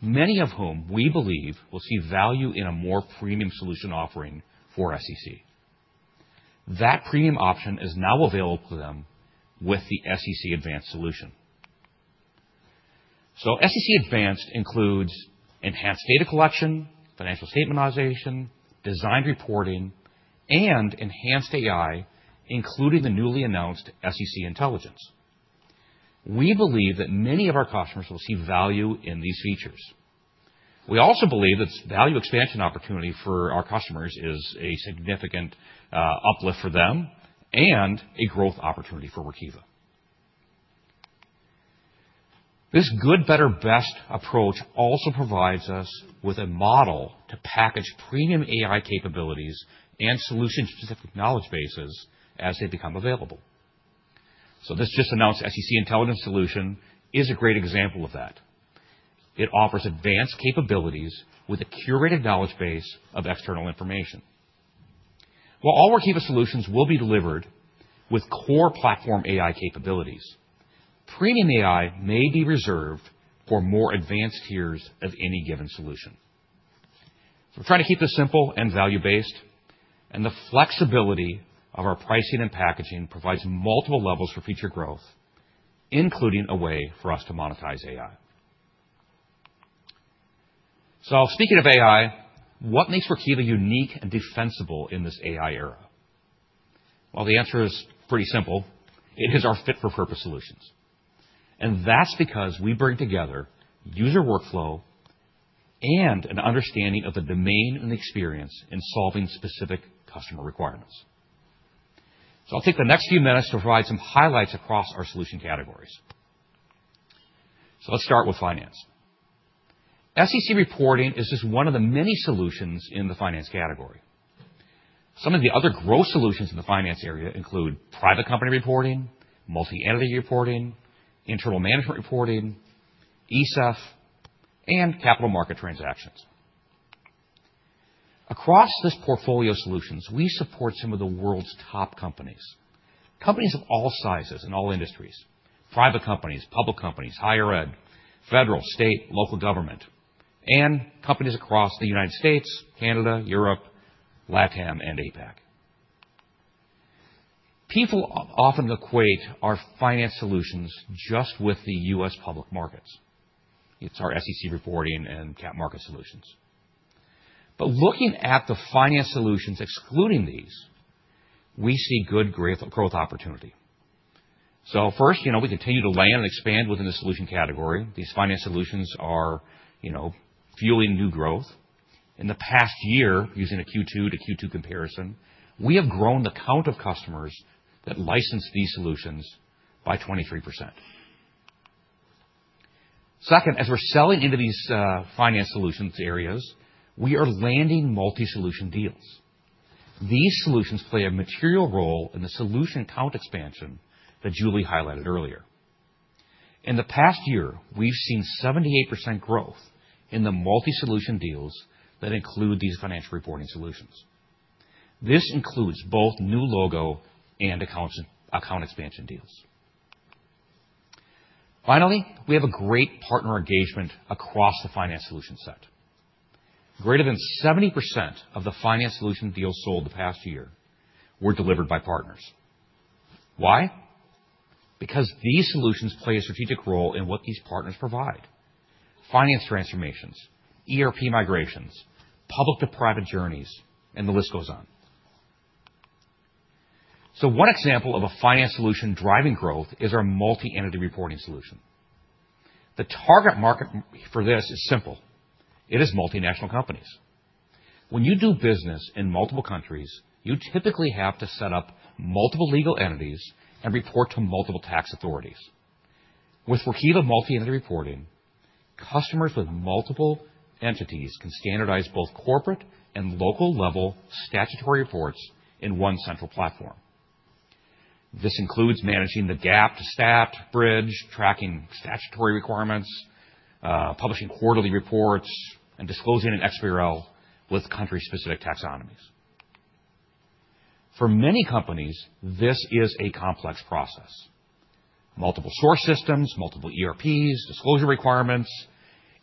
many of whom we believe will see value in a more premium solution offering for SEC. That premium option is now available to them with the SEC Advanced solution. So SEC Advanced includes enhanced data collection, financial statementization, design reporting, and enhanced AI, including the newly announced SEC Intelligence. We believe that many of our customers will see value in these features. We also believe that this value expansion opportunity for our customers is a significant uplift for them and a growth opportunity for Workiva. This good, better, best approach also provides us with a model to package premium AI capabilities and solution-specific knowledge bases as they become available. So this just announced SEC Intelligence solution is a great example of that. It offers advanced capabilities with a curated knowledge base of external information. While all Workiva solutions will be delivered with core platform AI capabilities, premium AI may be reserved for more advanced tiers of any given solution. We're trying to keep this simple and value-based, and the flexibility of our pricing and packaging provides multiple levels for future growth, including a way for us to monetize AI. So speaking of AI, what makes Workiva unique and defensible in this AI era? Well, the answer is pretty simple. It is our fit-for-purpose solutions. And that's because we bring together user workflow and an understanding of the domain and the experience in solving specific customer requirements. So I'll take the next few minutes to provide some highlights across our solution categories. So let's start with finance. SEC reporting is just one of the many solutions in the finance category. Some of the other growth solutions in the finance area include Private Company Reporting, Multi-Entity Reporting, Internal Management Reporting, ESEF, and capital market transactions. Across this portfolio of solutions, we support some of the world's top companies: companies of all sizes and all industries, private companies, public companies, higher ed, federal, state, local government, and companies across the United States, Canada, Europe, LATAM, and APAC. People often equate our finance solutions just with the U.S. public markets. It's our SEC reporting and capital market solutions. But looking at the finance solutions excluding these, we see good growth opportunity, so first, we continue to land and expand within the solution category. These finance solutions are fueling new growth. In the past year, using a Q2 to Q2 comparison, we have grown the count of customers that license these solutions by 23%. Second, as we're selling into these finance solutions areas, we are landing multi-solution deals. These solutions play a material role in the solution count expansion that Julie highlighted earlier. In the past year, we've seen 78% growth in the multi-solution deals that include these Financial Reporting solutions. This includes both new logo and account expansion deals. Finally, we have a great partner engagement across the finance solution set. Greater than 70% of the finance solution deals sold the past year were delivered by partners. Why? Because these solutions play a strategic role in what these partners provide: finance transformations, ERP migrations, public-to-private journeys, and the list goes on. So one example of a finance solution driving growth is our Multi-Entity Reporting solution. The target market for this is simple. It is multinational companies. When you do business in multiple countries, you typically have to set up multiple legal entities and report to multiple tax authorities. With Workiva Multi-Entity Reporting, customers with multiple entities can standardize both corporate and local-level statutory reports in one central platform. This includes managing the GAAP to STAT to bridge, tracking statutory requirements, publishing quarterly reports, and disclosing an XBRL with country-specific taxonomies. For many companies, this is a complex process: multiple source systems, multiple ERPs, disclosure requirements,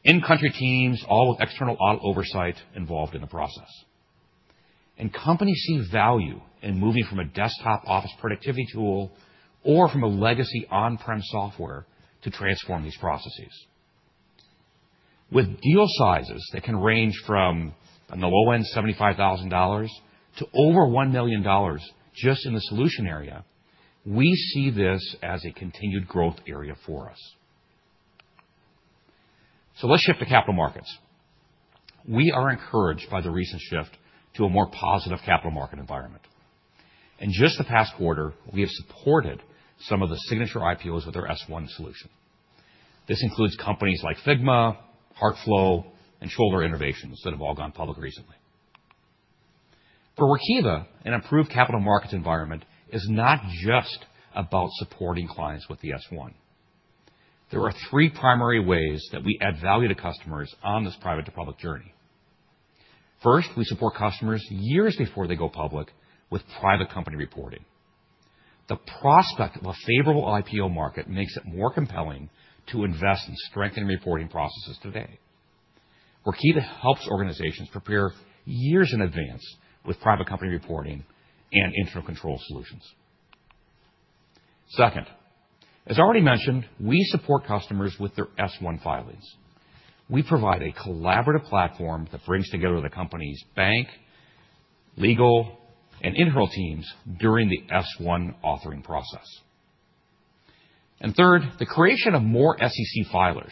in-country teams, all with external audit oversight involved in the process, and companies see value in moving from a desktop office productivity tool or from a legacy on-prem software to transform these processes. With deal sizes that can range from the low end $75,000 to over $1 million just in the solution area, we see this as a continued growth area for us, so let's shift to capital markets. We are encouraged by the recent shift to a more positive capital market environment. In just the past quarter, we have supported some of the signature IPOs with our S-1 solution. This includes companies like Figma, Heartflow, and Schoeller Innovations that have all gone public recently. For Workiva, an improved capital markets environment is not just about supporting clients with the S-1. There are three primary ways that we add value to customers on this private-to-public journey. First, we support customers years before they go public with Private Company Reporting. The prospect of a favorable IPO market makes it more compelling to invest in strengthening reporting processes today. Workiva helps organizations prepare years in advance with Private Company Reporting and internal control solutions. Second, as already mentioned, we support customers with their S-1 filings. We provide a collaborative platform that brings together the company's bank, legal, and internal teams during the S-1 authoring process. Third, the creation of more SEC filers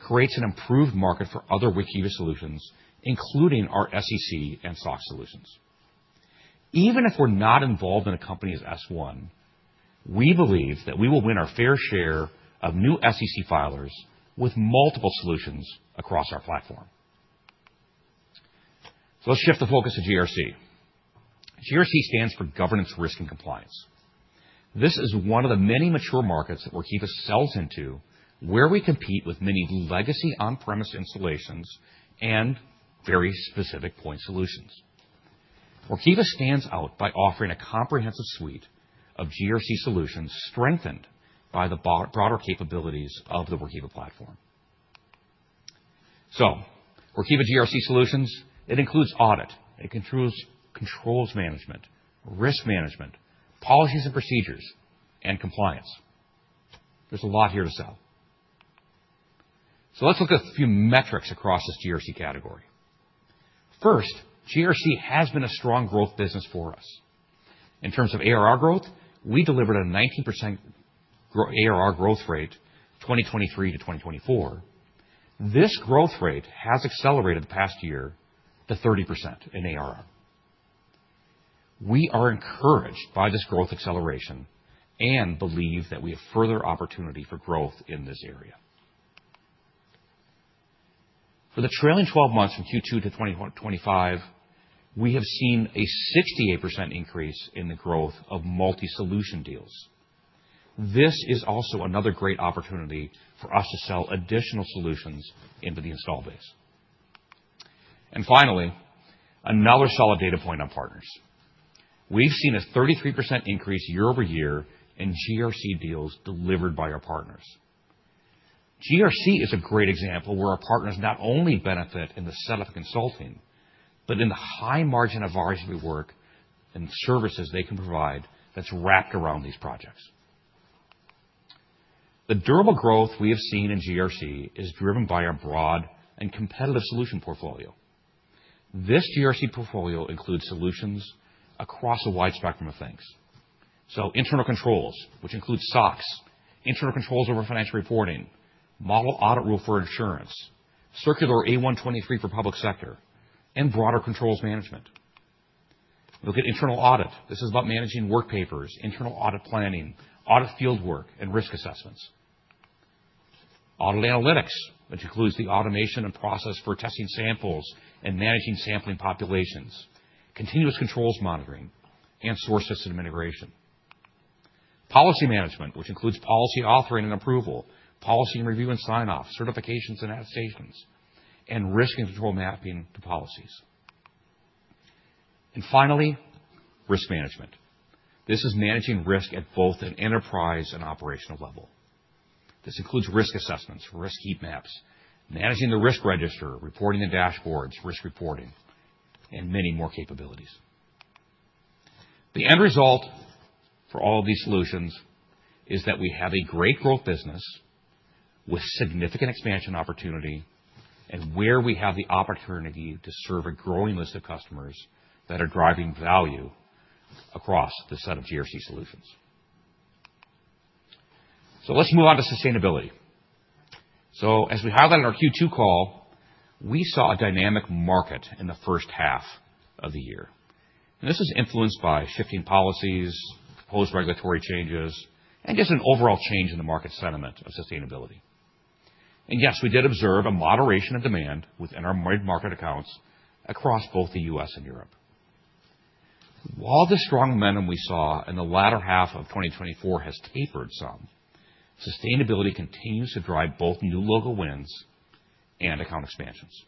creates an improved market for other Workiva solutions, including our SEC and SOX solutions. Even if we're not involved in a company's S-1, we believe that we will win our fair share of new SEC filers with multiple solutions across our platform. Let's shift the focus to GRC. GRC stands for Governance, Risk, and Compliance. This is one of the many mature markets that Workiva sells into, where we compete with many legacy on-premise installations and very specific point solutions. Workiva stands out by offering a comprehensive suite of GRC solutions strengthened by the broader capabilities of the Workiva platform. Workiva GRC solutions. It includes audit, controls management, risk management, Policies and Procedures, and compliance. There's a lot here to sell, so let's look at a few metrics across this GRC category. First, GRC has been a strong growth business for us. In terms of ARR growth, we delivered a 19% ARR growth rate 2023 to 2024. This growth rate has accelerated the past year to 30% in ARR. We are encouraged by this growth acceleration and believe that we have further opportunity for growth in this area. For the trailing 12 months from Q2 to 2025, we have seen a 68% increase in the growth of multi-solution deals. This is also another great opportunity for us to sell additional solutions into the install base. And finally, another solid data point on partners. We've seen a 33% increase year-over-year in GRC deals delivered by our partners. GRC is a great example where our partners not only benefit in the setup of consulting, but in the high margin of RSV work and services they can provide that's wrapped around these projects. The durable growth we have seen in GRC is driven by our broad and competitive solution portfolio. This GRC portfolio includes solutions across a wide spectrum of things. So internal controls, which includes SOX, internal controls over Financial Reporting, Model Audit Rule for insurance, Circular A-123 for public sector, and broader controls management. Look at internal audit. This is about managing work papers, internal audit planning, audit fieldwork, and risk assessments. Audit analytics, which includes the automation and process for testing samples and managing sampling populations, continuous controls monitoring, and source system integration. Policy management, which includes policy authoring and approval, policy and review and sign-off, certifications and attestations, and risk and control mapping to policies. Finally, risk management. This is managing risk at both an enterprise and operational level. This includes risk assessments, risk heat maps, managing the risk register, reporting the dashboards, risk reporting, and many more capabilities. The end result for all of these solutions is that we have a great growth business with significant expansion opportunity and where we have the opportunity to serve a growing list of customers that are driving value across the set of GRC solutions. Let's move on to sustainability. As we highlighted in our Q2 call, we saw a dynamic market in the first half of the year. This is influenced by shifting policies, proposed regulatory changes, and just an overall change in the market sentiment of sustainability. Yes, we did observe a moderation of demand within our mid-market accounts across both the U.S. and Europe. While the strong momentum we saw in the latter half of 2024 has tapered some, sustainability continues to drive both new logo wins and account expansions.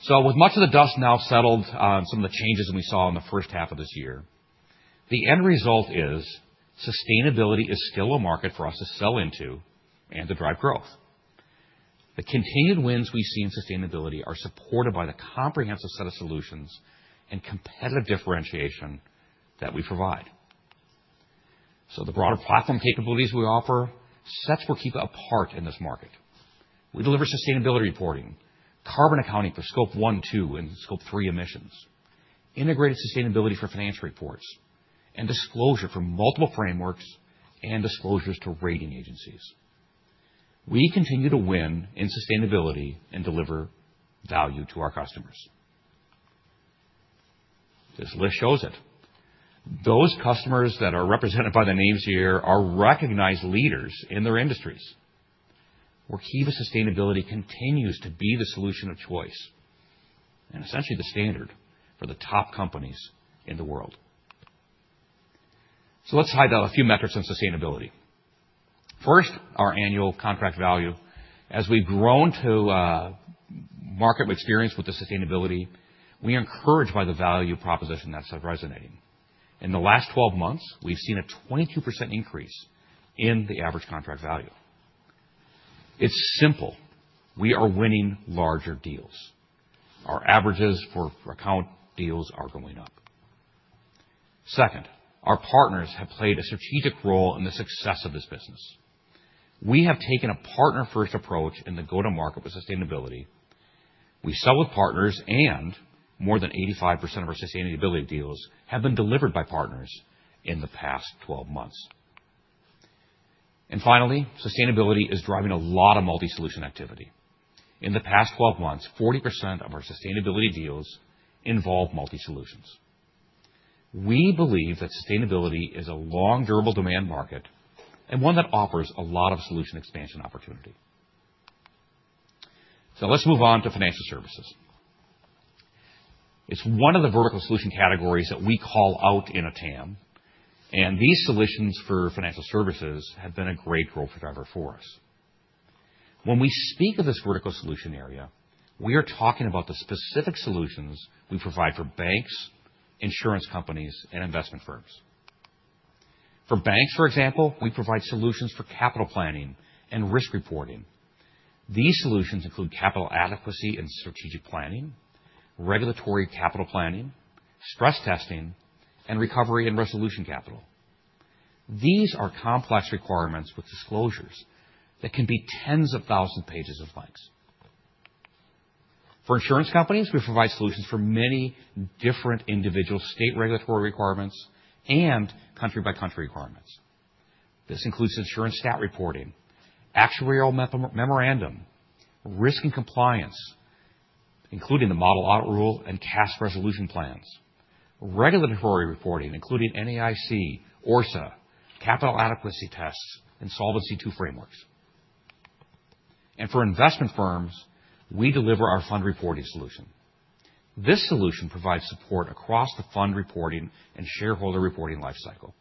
So with much of the dust now settled on some of the changes we saw in the first half of this year, the end result is sustainability is still a market for us to sell into and to drive growth. The continued wins we see in sustainability are supported by the comprehensive set of solutions and competitive differentiation that we provide. So the broader platform capabilities we offer sets Workiva apart in this market. We deliver Sustainability Reporting, Carbon Accounting for Scope 1, 2, and 3 emissions, Integrated Sustainability for financial reports, and disclosure for multiple frameworks and disclosures to rating agencies. We continue to win in sustainability and deliver value to our customers. This list shows it. Those customers that are represented by the names here are recognized leaders in their industries. Workiva sustainability continues to be the solution of choice and essentially the standard for the top companies in the world. So let's highlight a few metrics on sustainability. First, our annual contract value. As we've grown to market experience with the sustainability, we are encouraged by the value proposition that's resonating. In the last 12 months, we've seen a 22% increase in the average contract value. It's simple. We are winning larger deals. Our averages for account deals are going up. Second, our partners have played a strategic role in the success of this business. We have taken a partner-first approach in the go-to-market with sustainability. We sell with partners, and more than 85% of our sustainability deals have been delivered by partners in the past 12 months. Finally, sustainability is driving a lot of multi-solution activity. In the past 12 months, 40% of our sustainability deals involve multi-solutions. We believe that sustainability is a long durable demand market and one that offers a lot of solution expansion opportunity. Let's move on to financial services. It's one of the vertical solution categories that we call out in a TAM. These solutions for financial services have been a great growth driver for us. When we speak of this vertical solution area, we are talking about the specific solutions we provide for banks, insurance companies, and investment firms. For banks, for example, we provide solutions for capital planning and risk reporting. These solutions include capital adequacy and strategic planning, regulatory capital planning, stress testing, and recovery and resolution capital. These are complex requirements with disclosures that can be tens of thousands of pages of length. For insurance companies, we provide solutions for many different individual state regulatory requirements and country-by-country requirements. This includes insurance stat reporting, actuarial memorandum, risk and compliance, including the Model Audit Rule and CASS resolution plans, regulatory reporting, including NAIC, ORSA, capital adequacy tests, and Solvency II frameworks. For investment firms, we deliver our Fund Reporting solution. This solution provides support across the Fund Reporting and shareholder reporting lifecycle.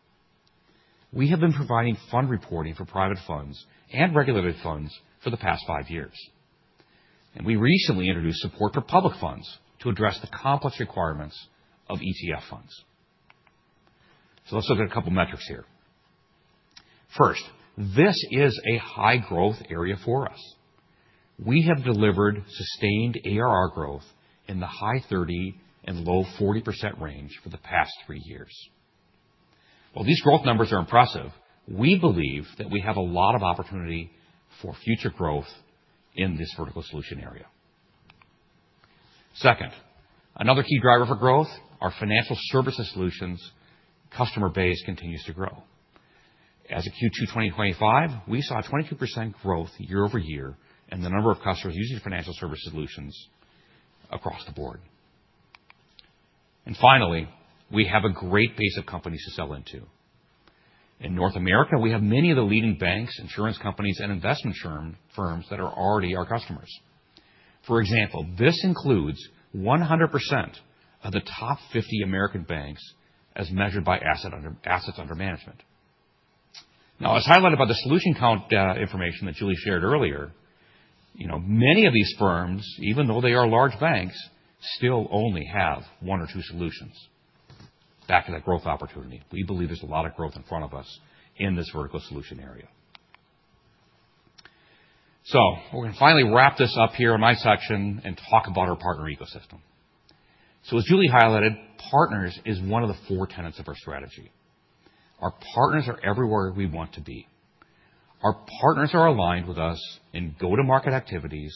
We have been providing Fund Reporting for private funds and regulated funds for the past five years. We recently introduced support for public funds to address the complex requirements of ETF funds. Let's look at a couple of metrics here. First, this is a high growth area for us. We have delivered sustained ARR growth in the high 30% and low 40% range for the past three years. While these growth numbers are impressive, we believe that we have a lot of opportunity for future growth in this vertical solution area. Second, another key driver for growth, our financial services solutions customer base continues to grow. As of Q2 2025, we saw a 22% growth year-over-year in the number of customers using financial services solutions across the board. And finally, we have a great base of companies to sell into. In North America, we have many of the leading banks, insurance companies, and investment firms that are already our customers. For example, this includes 100% of the top 50 American banks as measured by assets under management. Now, as highlighted by the solution count information that Julie shared earlier, many of these firms, even though they are large banks, still only have one or two solutions. Back to that growth opportunity. We believe there's a lot of growth in front of us in this vertical solution area. So we're going to finally wrap this up here in my section and talk about our partner ecosystem. So as Julie highlighted, partners is one of the four tenets of our strategy. Our partners are everywhere we want to be. Our partners are aligned with us in go-to-market activities,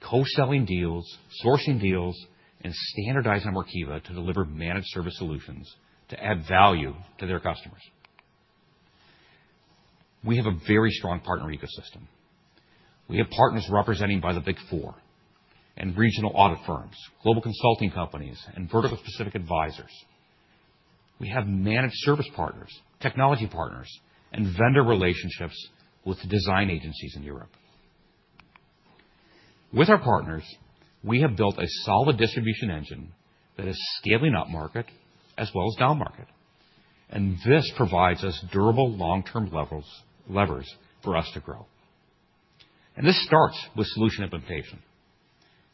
co-selling deals, sourcing deals, and standardizing on Workiva to deliver managed service solutions to add value to their customers. We have a very strong partner ecosystem. We have partners represented by the Big Four and regional audit firms, global consulting companies, and vertical-specific advisors. We have managed service partners, technology partners, and vendor relationships with design agencies in Europe. With our partners, we have built a solid distribution engine that is scaling up market as well as down market. This provides us durable long-term levers for us to grow. This starts with solution implementation.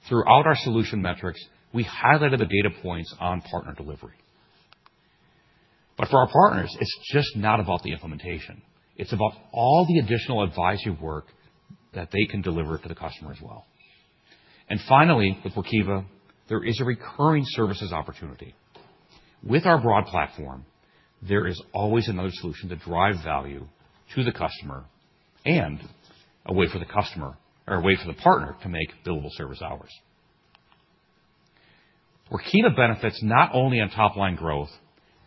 Throughout our solution metrics, we highlighted the data points on partner delivery. For our partners, it's just not about the implementation. It's about all the additional advisory work that they can deliver to the customer as well. Finally, with Workiva, there is a recurring services opportunity. With our broad platform, there is always another solution to drive value to the customer and a way for the customer or a way for the partner to make billable service hours. Workiva benefits not only on top-line growth,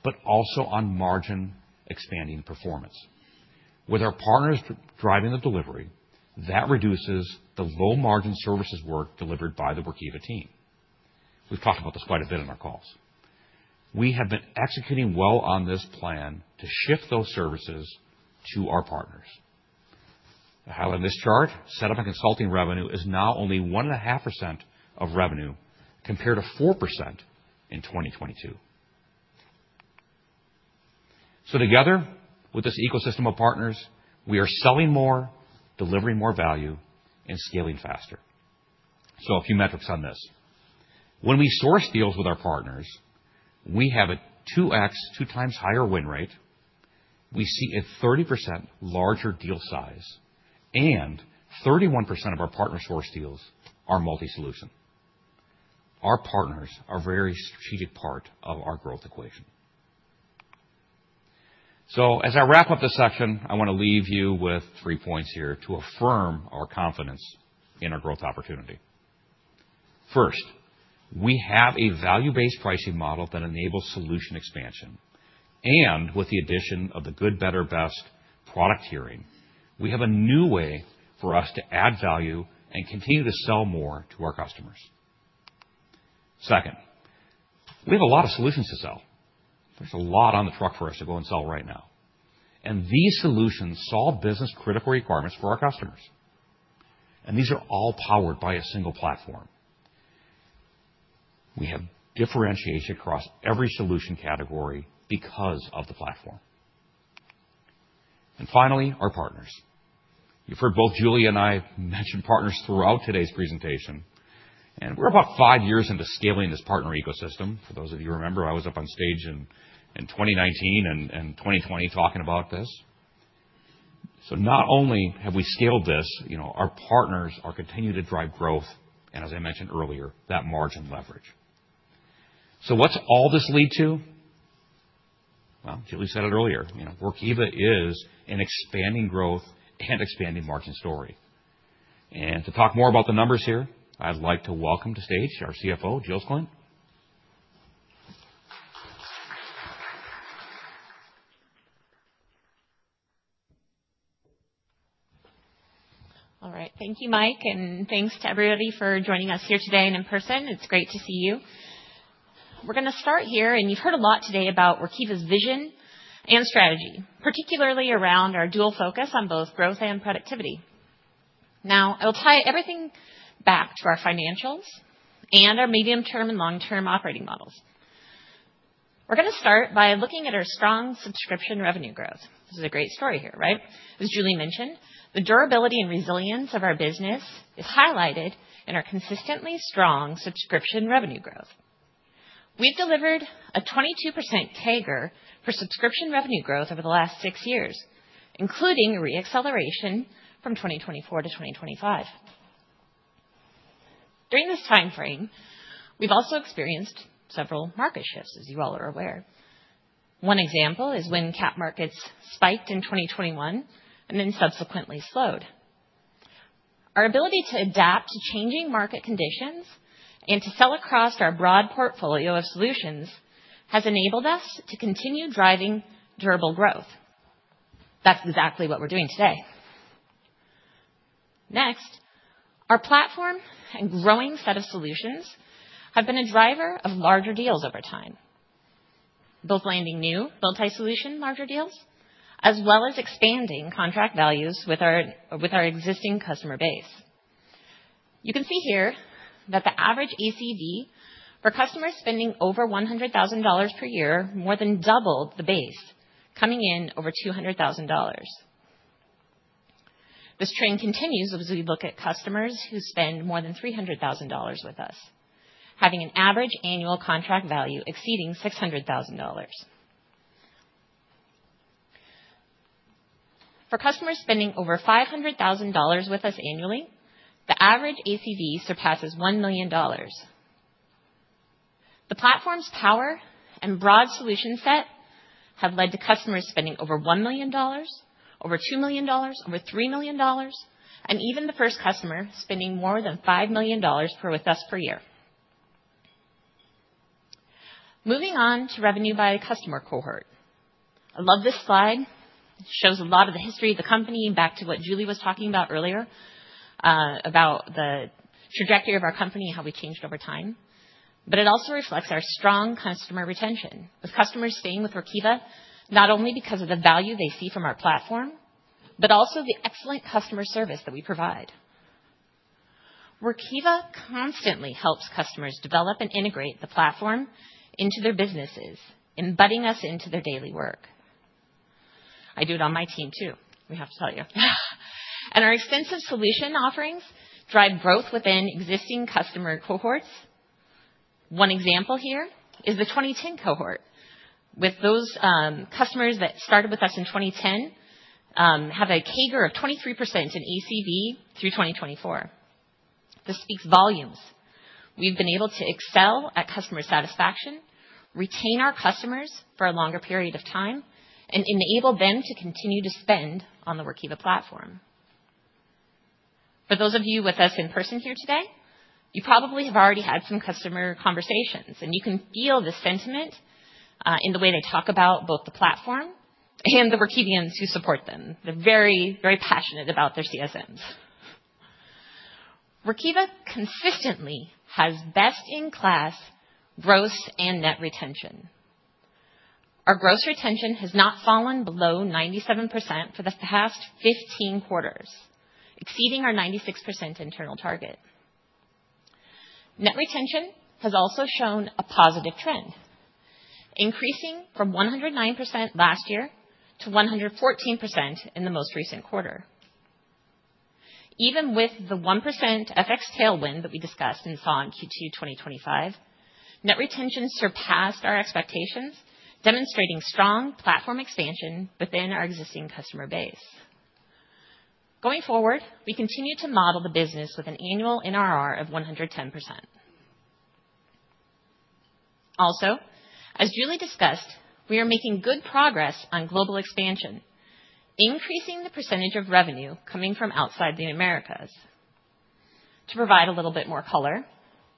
but also on margin expanding performance. With our partners driving the delivery, that reduces the low-margin services work delivered by the Workiva team. We've talked about this quite a bit in our calls. We have been executing well on this plan to shift those services to our partners. I highlight this chart. Setup and consulting revenue is now only 1.5% of revenue compared to 4% in 2022, so together with this ecosystem of partners, we are selling more, delivering more value, and scaling faster, so a few metrics on this. When we source deals with our partners, we have a 2x, two times higher win rate. We see a 30% larger deal size, and 31% of our partner source deals are multi-solution. Our partners are a very strategic part of our growth equation, so as I wrap up this section, I want to leave you with three points here to affirm our confidence in our growth opportunity. First, we have a value-based pricing model that enables solution expansion. With the addition of the good, better, best product tiering, we have a new way for us to add value and continue to sell more to our customers. Second, we have a lot of solutions to sell. There's a lot on the truck for us to go and sell right now. These solutions solve business-critical requirements for our customers. These are all powered by a single platform. We have differentiation across every solution category because of the platform. Finally, our partners. You've heard both Julie and I mention partners throughout today's presentation. We're about five years into scaling this partner ecosystem. For those of you who remember, I was up on stage in 2019 and 2020 talking about this. Not only have we scaled this, our partners are continuing to drive growth and, as I mentioned earlier, that margin leverage. What's all this lead to? Julie said it earlier. Workiva is an expanding growth and expanding margin story. To talk more about the numbers here, I'd like to welcome to the stage our CFO, Jill Klindt. All right. Thank you, Mike. And thanks to everybody for joining us here today and in person. It's great to see you. We're going to start here, and you've heard a lot today about Workiva's vision and strategy, particularly around our dual focus on both growth and productivity. Now, I'll tie everything back to our financials and our medium-term and long-term operating models. We're going to start by looking at our strong subscription revenue growth. This is a great story here, right? As Julie mentioned, the durability and resilience of our business is highlighted in our consistently strong subscription revenue growth. We've delivered a 22% CAGR for subscription revenue growth over the last six years, including re-acceleration from 2024 to 2025. During this timeframe, we've also experienced several market shifts, as you all are aware. One example is when capital markets spiked in 2021 and then subsequently slowed. Our ability to adapt to changing market conditions and to sell across our broad portfolio of solutions has enabled us to continue driving durable growth. That's exactly what we're doing today. Next, our platform and growing set of solutions have been a driver of larger deals over time, both landing new multi-solution larger deals as well as expanding contract values with our existing customer base. You can see here that the average ACV for customers spending over $100,000 per year more than doubled the base, coming in over $200,000. This trend continues as we look at customers who spend more than $300,000 with us, having an average annual contract value exceeding $600,000. For customers spending over $500,000 with us annually, the average ACV surpasses $1 million. The platform's power and broad solution set have led to customers spending over $1 million, over $2 million, over $3 million, and even the first customer spending more than $5 million with us per year. Moving on to revenue by customer cohort. I love this slide. It shows a lot of the history of the company back to what Julie was talking about earlier about the trajectory of our company and how we changed over time, but it also reflects our strong customer retention, with customers staying with Workiva not only because of the value they see from our platform, but also the excellent customer service that we provide. Workiva constantly helps customers develop and integrate the platform into their businesses, embedding us into their daily work. I do it on my team too, we have to tell you. Our extensive solution offerings drive growth within existing customer cohorts. One example here is the 2010 cohort, with those customers that started with us in 2010 have a CAGR of 23% in ACV through 2024. This speaks volumes. We've been able to excel at customer satisfaction, retain our customers for a longer period of time, and enable them to continue to spend on the Workiva platform. For those of you with us in person here today, you probably have already had some customer conversations, and you can feel the sentiment in the way they talk about both the platform and the Workivians who support them. They're very, very passionate about their CSMs. Workiva consistently has best-in-class gross and net retention. Our gross retention has not fallen below 97% for the past 15 quarters, exceeding our 96% internal target. Net retention has also shown a positive trend, increasing from 109% last year to 114% in the most recent quarter. Even with the 1% FX tailwind that we discussed and saw in Q2 2025, net retention surpassed our expectations, demonstrating strong platform expansion within our existing customer base. Going forward, we continue to model the business with an annual NRR of 110%. Also, as Julie discussed, we are making good progress on global expansion, increasing the percentage of revenue coming from outside the Americas. To provide a little bit more color,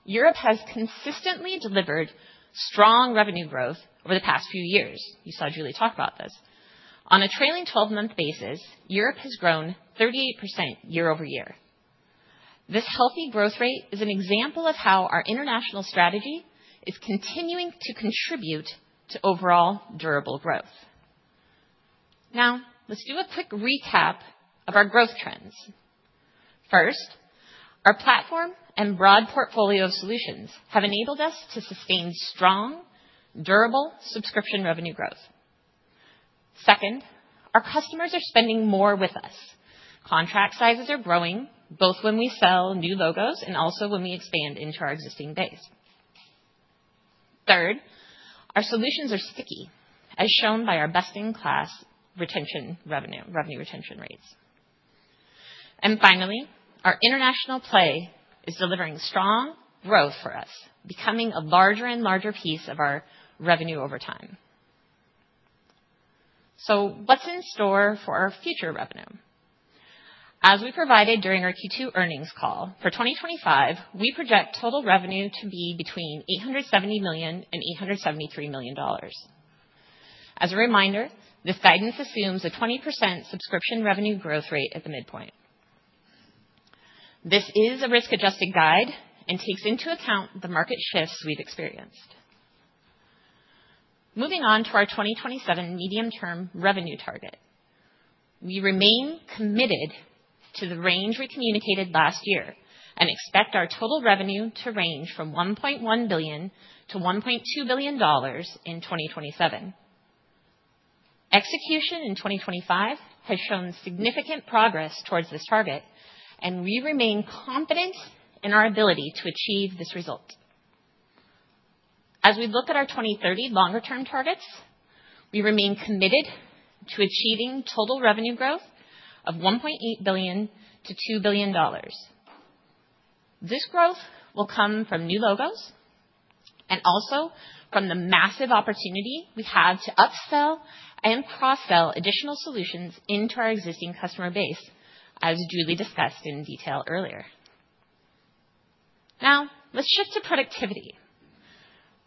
Europe has consistently delivered strong revenue growth over the past few years. You saw Julie talk about this. On a trailing 12-month basis, Europe has grown 38% year-over-year. This healthy growth rate is an example of how our international strategy is continuing to contribute to overall durable growth. Now, let's do a quick recap of our growth trends. First, our platform and broad portfolio of solutions have enabled us to sustain strong, durable subscription revenue growth. Second, our customers are spending more with us. Contract sizes are growing, both when we sell new logos and also when we expand into our existing base. Third, our solutions are sticky, as shown by our best-in-class revenue retention rates. And finally, our international play is delivering strong growth for us, becoming a larger and larger piece of our revenue over time. So what's in store for our future revenue? As we provided during our Q2 earnings call, for 2025, we project total revenue to be between $870 million and $873 million. As a reminder, this guidance assumes a 20% subscription revenue growth rate at the midpoint. This is a risk-adjusted guide and takes into account the market shifts we've experienced. Moving on to our 2027 medium-term revenue target. We remain committed to the range we communicated last year and expect our total revenue to range from $1.1 billion-$1.2 billion in 2027. Execution in 2025 has shown significant progress towards this target, and we remain confident in our ability to achieve this result. As we look at our 2030 longer-term targets, we remain committed to achieving total revenue growth of $1.8 billion-$2 billion. This growth will come from new logos and also from the massive opportunity we have to upsell and cross-sell additional solutions into our existing customer base, as Julie discussed in detail earlier. Now, let's shift to productivity.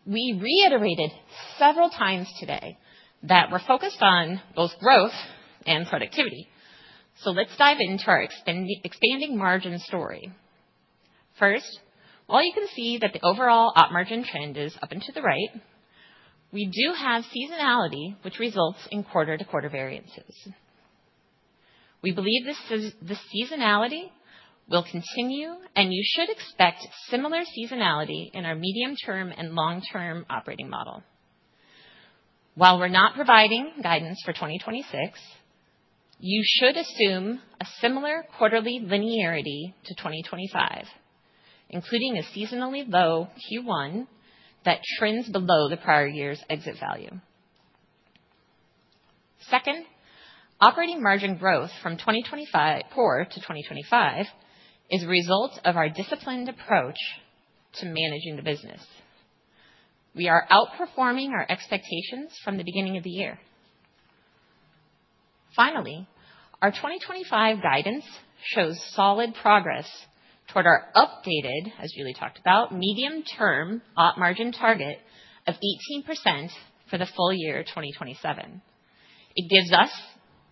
We reiterated several times today that we're focused on both growth and productivity. So let's dive into our expanding margin story. First, while you can see that the overall op margin trend is up and to the right, we do have seasonality, which results in quarter-to-quarter variances. We believe this seasonality will continue, and you should expect similar seasonality in our medium-term and long-term operating model. While we're not providing guidance for 2026, you should assume a similar quarterly linearity to 2025, including a seasonally low Q1 that trends below the prior year's exit value. Second, operating margin growth from 2024 to 2025 is a result of our disciplined approach to managing the business. We are outperforming our expectations from the beginning of the year. Finally, our 2025 guidance shows solid progress toward our updated, as Julie talked about, medium-term op margin target of 18% for the full year 2027. It gives us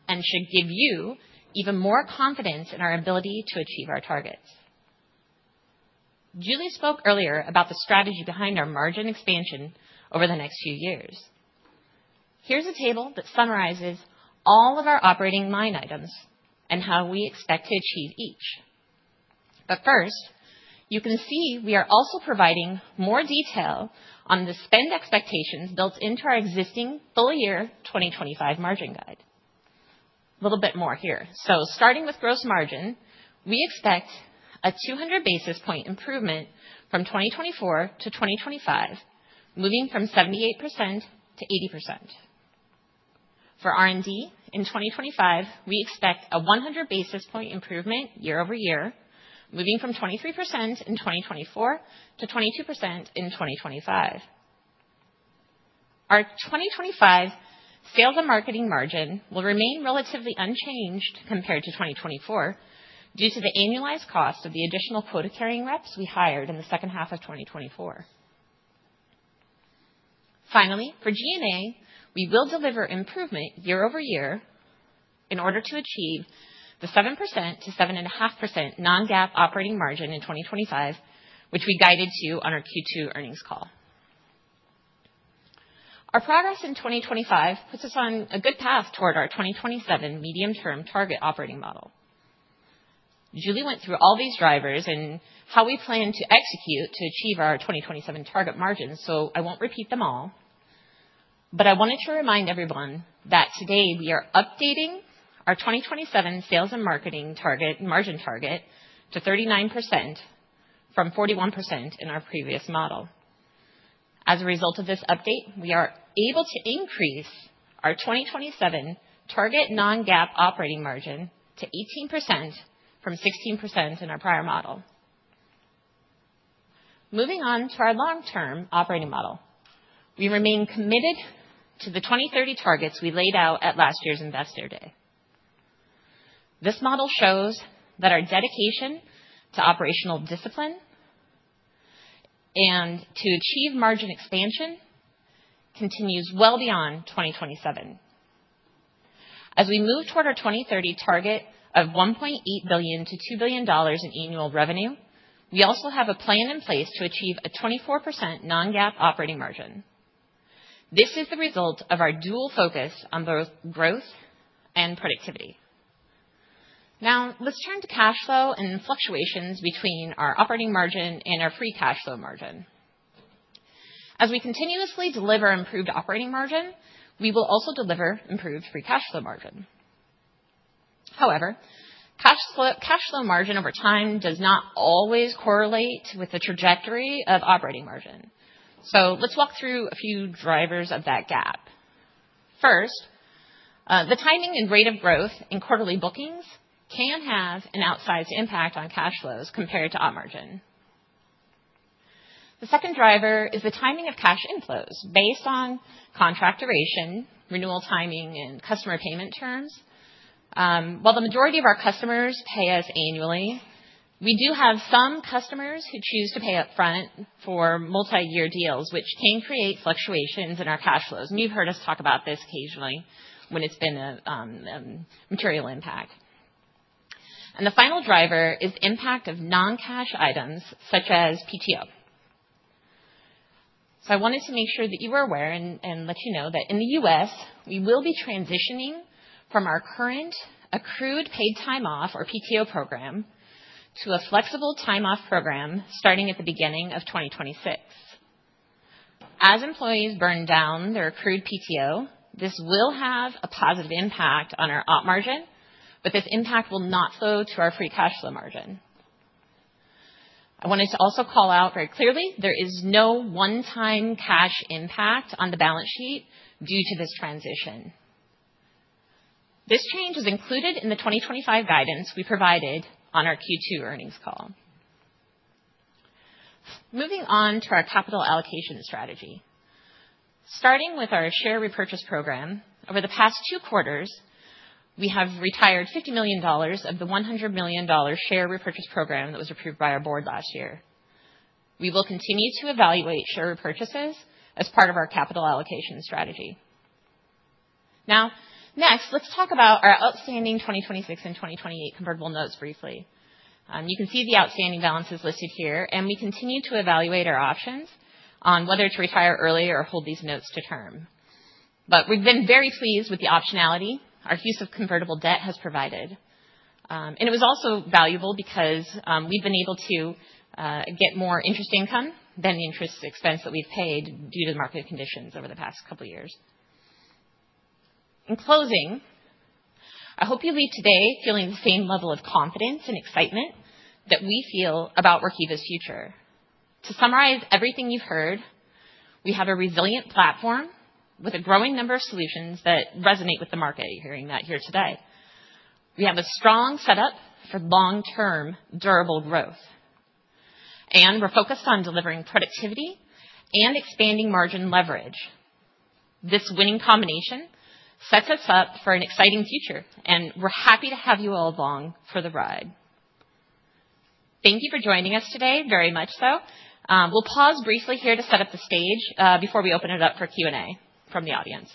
and should give you even more confidence in our ability to achieve our targets. Julie spoke earlier about the strategy behind our margin expansion over the next few years. Here's a table that summarizes all of our operating line items and how we expect to achieve each. But first, you can see we are also providing more detail on the spend expectations built into our existing full-year 2025 margin guide. A little bit more here. So starting with gross margin, we expect a 200 basis point improvement from 2024 to 2025, moving from 78% to 80%. For R&D in 2025, we expect a 100 basis point improvement year-over-year, moving from 23% in 2024 to 22% in 2025. Our 2025 sales and marketing margin will remain relatively unchanged compared to 2024 due to the annualized cost of the additional quota-carrying reps we hired in the second half of 2024. Finally, for G&A, we will deliver improvement year-over-year in order to achieve the 7%-7.5% non-GAAP operating margin in 2025, which we guided to on our Q2 earnings call. Our progress in 2025 puts us on a good path toward our 2027 medium-term target operating model. Julie went through all these drivers and how we plan to execute to achieve our 2027 target margins, so I won't repeat them all. But I wanted to remind everyone that today we are updating our 2027 sales and marketing margin target to 39% from 41% in our previous model. As a result of this update, we are able to increase our 2027 target non-GAAP operating margin to 18% from 16% in our prior model. Moving on to our long-term operating model, we remain committed to the 2030 targets we laid out at last year's Investor Day. This model shows that our dedication to operational discipline and to achieve margin expansion continues well beyond 2027. As we move toward our 2030 target of $1.8 billion-$2 billion in annual revenue, we also have a plan in place to achieve a 24% non-GAAP operating margin. This is the result of our dual focus on both growth and productivity. Now, let's turn to cash flow and fluctuations between our operating margin and our free cash flow margin. As we continuously deliver improved operating margin, we will also deliver improved free cash flow margin. However, cash flow margin over time does not always correlate with the trajectory of operating margin. So let's walk through a few drivers of that gap. First, the timing and rate of growth in quarterly bookings can have an outsized impact on cash flows compared to op margin. The second driver is the timing of cash inflows based on contract duration, renewal timing, and customer payment terms. While the majority of our customers pay us annually, we do have some customers who choose to pay upfront for multi-year deals, which can create fluctuations in our cash flows, and you've heard us talk about this occasionally when it's been a material impact, and the final driver is the impact of non-cash items such as PTO, so I wanted to make sure that you were aware and let you know that in the U.S., we will be transitioning from our current accrued paid time-off or PTO program to a flexible time-off program starting at the beginning of 2026. As employees burn down their accrued PTO, this will have a positive impact on our op margin, but this impact will not flow to our free cash flow margin. I wanted to also call out very clearly, there is no one-time cash impact on the balance sheet due to this transition. This change is included in the 2025 guidance we provided on our Q2 earnings call. Moving on to our capital allocation strategy. Starting with our share repurchase program, over the past two quarters, we have retired $50 million of the $100 million share repurchase program that was approved by our board last year. We will continue to evaluate share repurchases as part of our capital allocation strategy. Now, next, let's talk about our outstanding 2026 and 2028 convertible notes briefly. You can see the outstanding balances listed here, and we continue to evaluate our options on whether to retire early or hold these notes to term. But we've been very pleased with the optionality our use of convertible debt has provided. And it was also valuable because we've been able to get more interest income than the interest expense that we've paid due to the market conditions over the past couple of years. In closing, I hope you leave today feeling the same level of confidence and excitement that we feel about Workiva's future. To summarize everything you've heard, we have a resilient platform with a growing number of solutions that resonate with the market. You're hearing that here today. We have a strong setup for long-term durable growth, and we're focused on delivering productivity and expanding margin leverage. This winning combination sets us up for an exciting future, and we're happy to have you all along for the ride. Thank you for joining us today. Very much so. We'll pause briefly here to set up the stage before we open it up for Q&A from the audience.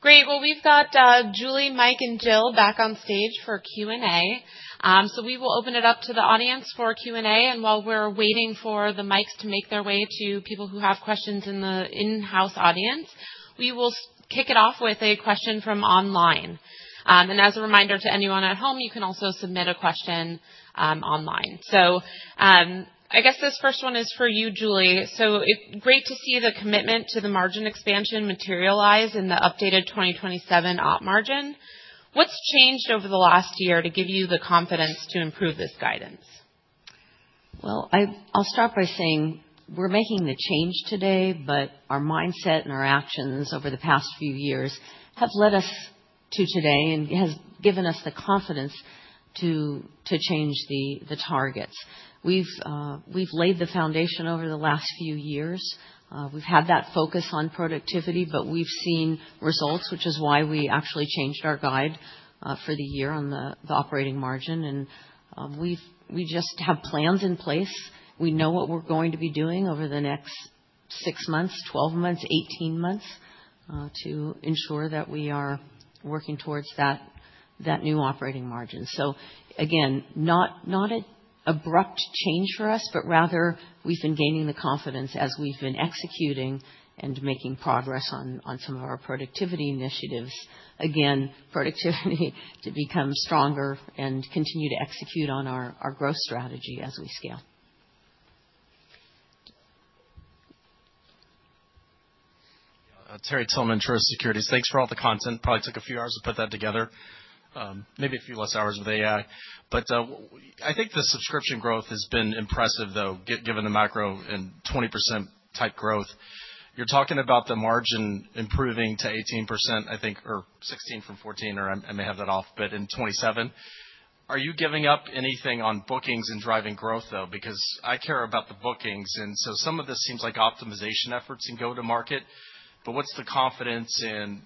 Great. We've got Julie, Mike, and Jill back on stage for Q&A. We will open it up to the audience for Q&A. While we're waiting for the mics to make their way to people who have questions in the in-house audience, we will kick it off with a question from online. As a reminder to anyone at home, you can also submit a question online. I guess this first one is for you, Julie. Great to see the commitment to the margin expansion materialize in the updated 2027 op margin. What's changed over the last year to give you the confidence to improve this guidance? I'll start by saying we're making the change today, but our mindset and our actions over the past few years have led us to today and have given us the confidence to change the targets. We've laid the foundation over the last few years. We've had that focus on productivity, but we've seen results, which is why we actually changed our guide for the year on the operating margin, and we just have plans in place. We know what we're going to be doing over the next six months, 12 months, 18 months to ensure that we are working towards that new operating margin. So again, not an abrupt change for us, but rather we've been gaining the confidence as we've been executing and making progress on some of our productivity initiatives. Again, productivity to become stronger and continue to execute on our growth strategy as we scale. Terry Tillman, Truist Securities. Thanks for all the content. Probably took a few hours to put that together. Maybe a few less hours with AI. But I think the subscription growth has been impressive, though, given the macro and 20% type growth. You're talking about the margin improving to 18%, I think, or 16% from 14%, or I may have that off, but in 2027. Are you giving up anything on bookings and driving growth, though? Because I care about the bookings. And so some of this seems like optimization efforts and go-to-market. But what's the confidence in,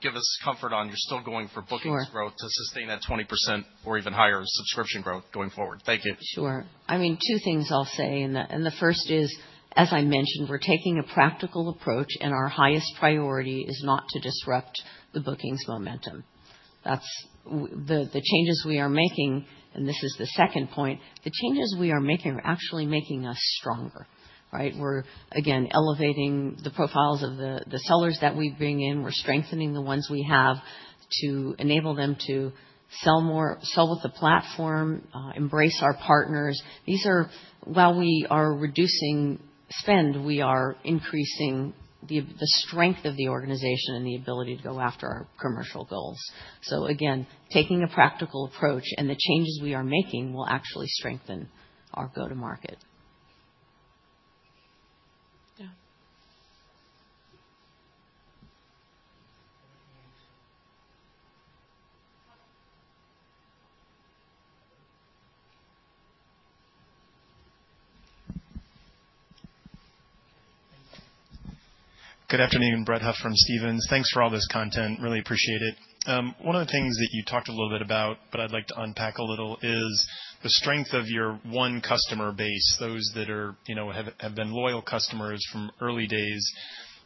give us comfort on you're still going for bookings growth to sustain that 20% or even higher subscription growth going forward? Thank you. Sure. I mean, two things I'll say. And the first is, as I mentioned, we're taking a practical approach, and our highest priority is not to disrupt the bookings momentum. The changes we are making, and this is the second point, the changes we are making are actually making us stronger. We're, again, elevating the profiles of the sellers that we bring in. We're strengthening the ones we have to enable them to sell more, sell with the platform, embrace our partners. While we are reducing spend, we are increasing the strength of the organization and the ability to go after our commercial goals. So again, taking a practical approach, and the changes we are making will actually strengthen our go-to-market. Good afternoon, Brett Huff from Stephens. Thanks for all this content. Really appreciate it. One of the things that you talked a little bit about, but I'd like to unpack a little, is the strength of your own customer base, those that have been loyal customers from early days.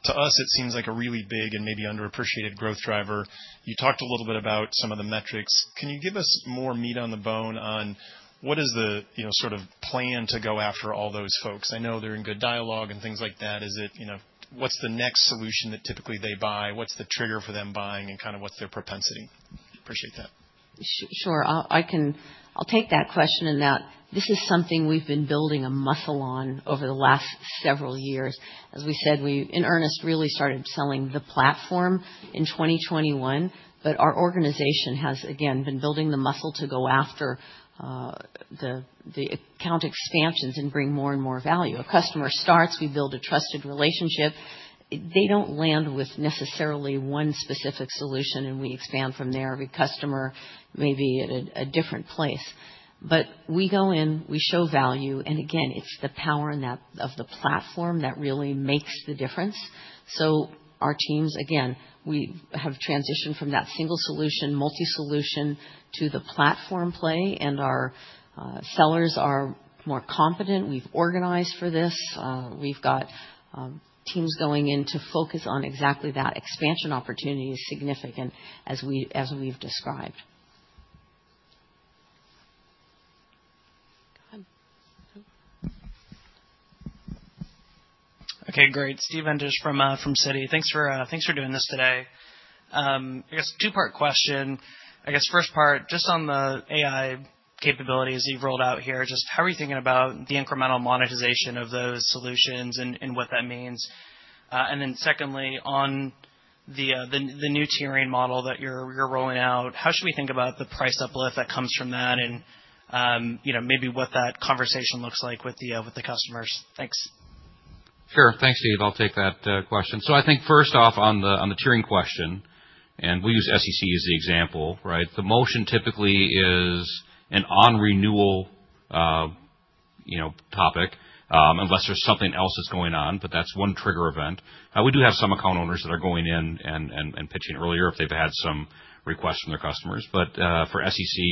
To us, it seems like a really big and maybe underappreciated growth driver. You talked a little bit about some of the metrics. Can you give us more meat on the bone on what is the sort of plan to go after all those folks? I know they're in good dialogue and things like that. What's the next solution that typically they buy? What's the trigger for them buying and kind of what's their propensity? Appreciate that. Sure. I'll take that question in that this is something we've been building a muscle on over the last several years. As we said, we in earnest really started selling the platform in 2021, but our organization has, again, been building the muscle to go after the account expansions and bring more and more value. A customer starts, we build a trusted relationship. They don't land with necessarily one specific solution, and we expand from there every customer, maybe at a different place. But we go in, we show value, and again, it's the power of the platform that really makes the difference. So our teams, again, we have transitioned from that single solution, multi-solution to the platform play, and our sellers are more confident. We've organized for this. We've got teams going in to focus on exactly that. Expansion opportunity is significant, as we've described. Okay, great. Steve Enders from Citi. Thanks for doing this today. I guess two-part question. I guess first part, just on the AI capabilities you've rolled out here, just how are you thinking about the incremental monetization of those solutions and what that means? And then secondly, on the new tiering model that you're rolling out, how should we think about the price uplift that comes from that and maybe what that conversation looks like with the customers? Thanks. Sure. Thanks, Steve. I'll take that question. So I think first off on the tiering question, and we'll use SEC as the example, right? The notion typically is an on-renewal topic unless there's something else that's going on, but that's one trigger event. We do have some account owners that are going in and pitching earlier if they've had some requests from their customers. But for SEC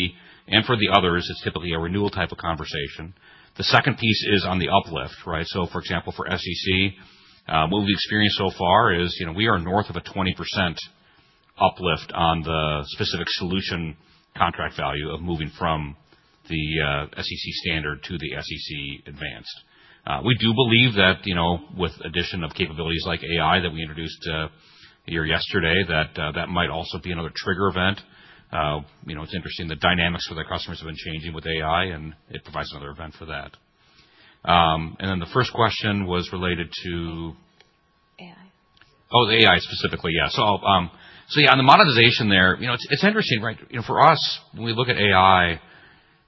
and for the others, it's typically a renewal type of conversation. The second piece is on the uplift, right? So for example, for SEC, what we've experienced so far is we are north of a 20% uplift on the specific solution contract value of moving from the SEC Standard to the SEC Advanced. We do believe that with the addition of capabilities like AI that we introduced here yesterday, that that might also be another trigger event. It's interesting, the dynamics for the customers have been changing with AI, and it provides another event for that. And then the first question was related to AI. Oh, the AI specifically, yeah. So yeah, on the monetization there, it's interesting, right? For us, when we look at AI,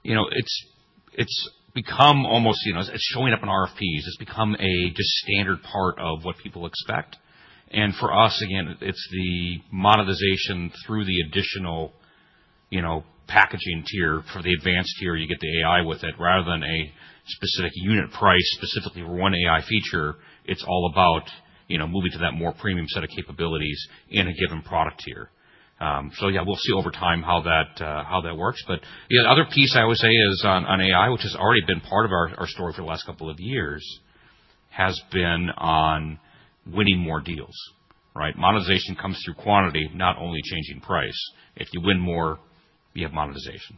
it's become almost, it's showing up in RFPs. It's become a just standard part of what people expect. And for us, again, it's the monetization through the additional packaging tier. For the advanced tier, you get the AI with it rather than a specific unit price specifically for one AI feature. It's all about moving to that more premium set of capabilities in a given product tier. So yeah, we'll see over time how that works. But the other piece I would say is on AI, which has already been part of our story for the last couple of years, has been on winning more deals, right? Monetization comes through quantity, not only changing price. If you win more, you have monetization.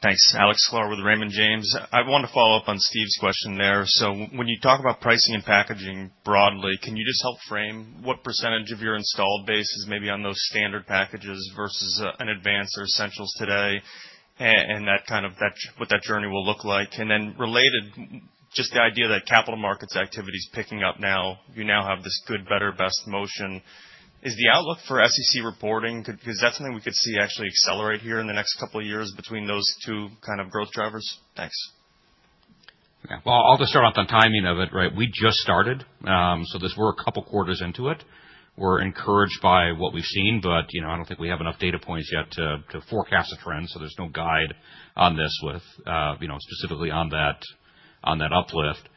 Thanks. Alex Sklar with Raymond James. I want to follow up on Steve's question there. So when you talk about pricing and packaging broadly, can you just help frame what percentage of your installed base is maybe on those Standard packages versus an Advanced or Essentials today and what that journey will look like? And then related, just the idea that capital markets activity is picking up now, you now have this good, better, best motion. Is the outlook for SEC reporting, because that's something we could see actually accelerate here in the next couple of years between those two kind of growth drivers? Thanks. Well, I'll just start off the timing of it, right? We just started. So we're a couple of quarters into it. We're encouraged by what we've seen, but I don't think we have enough data points yet to forecast a trend. So there's no guide on this with specifically on that uplift.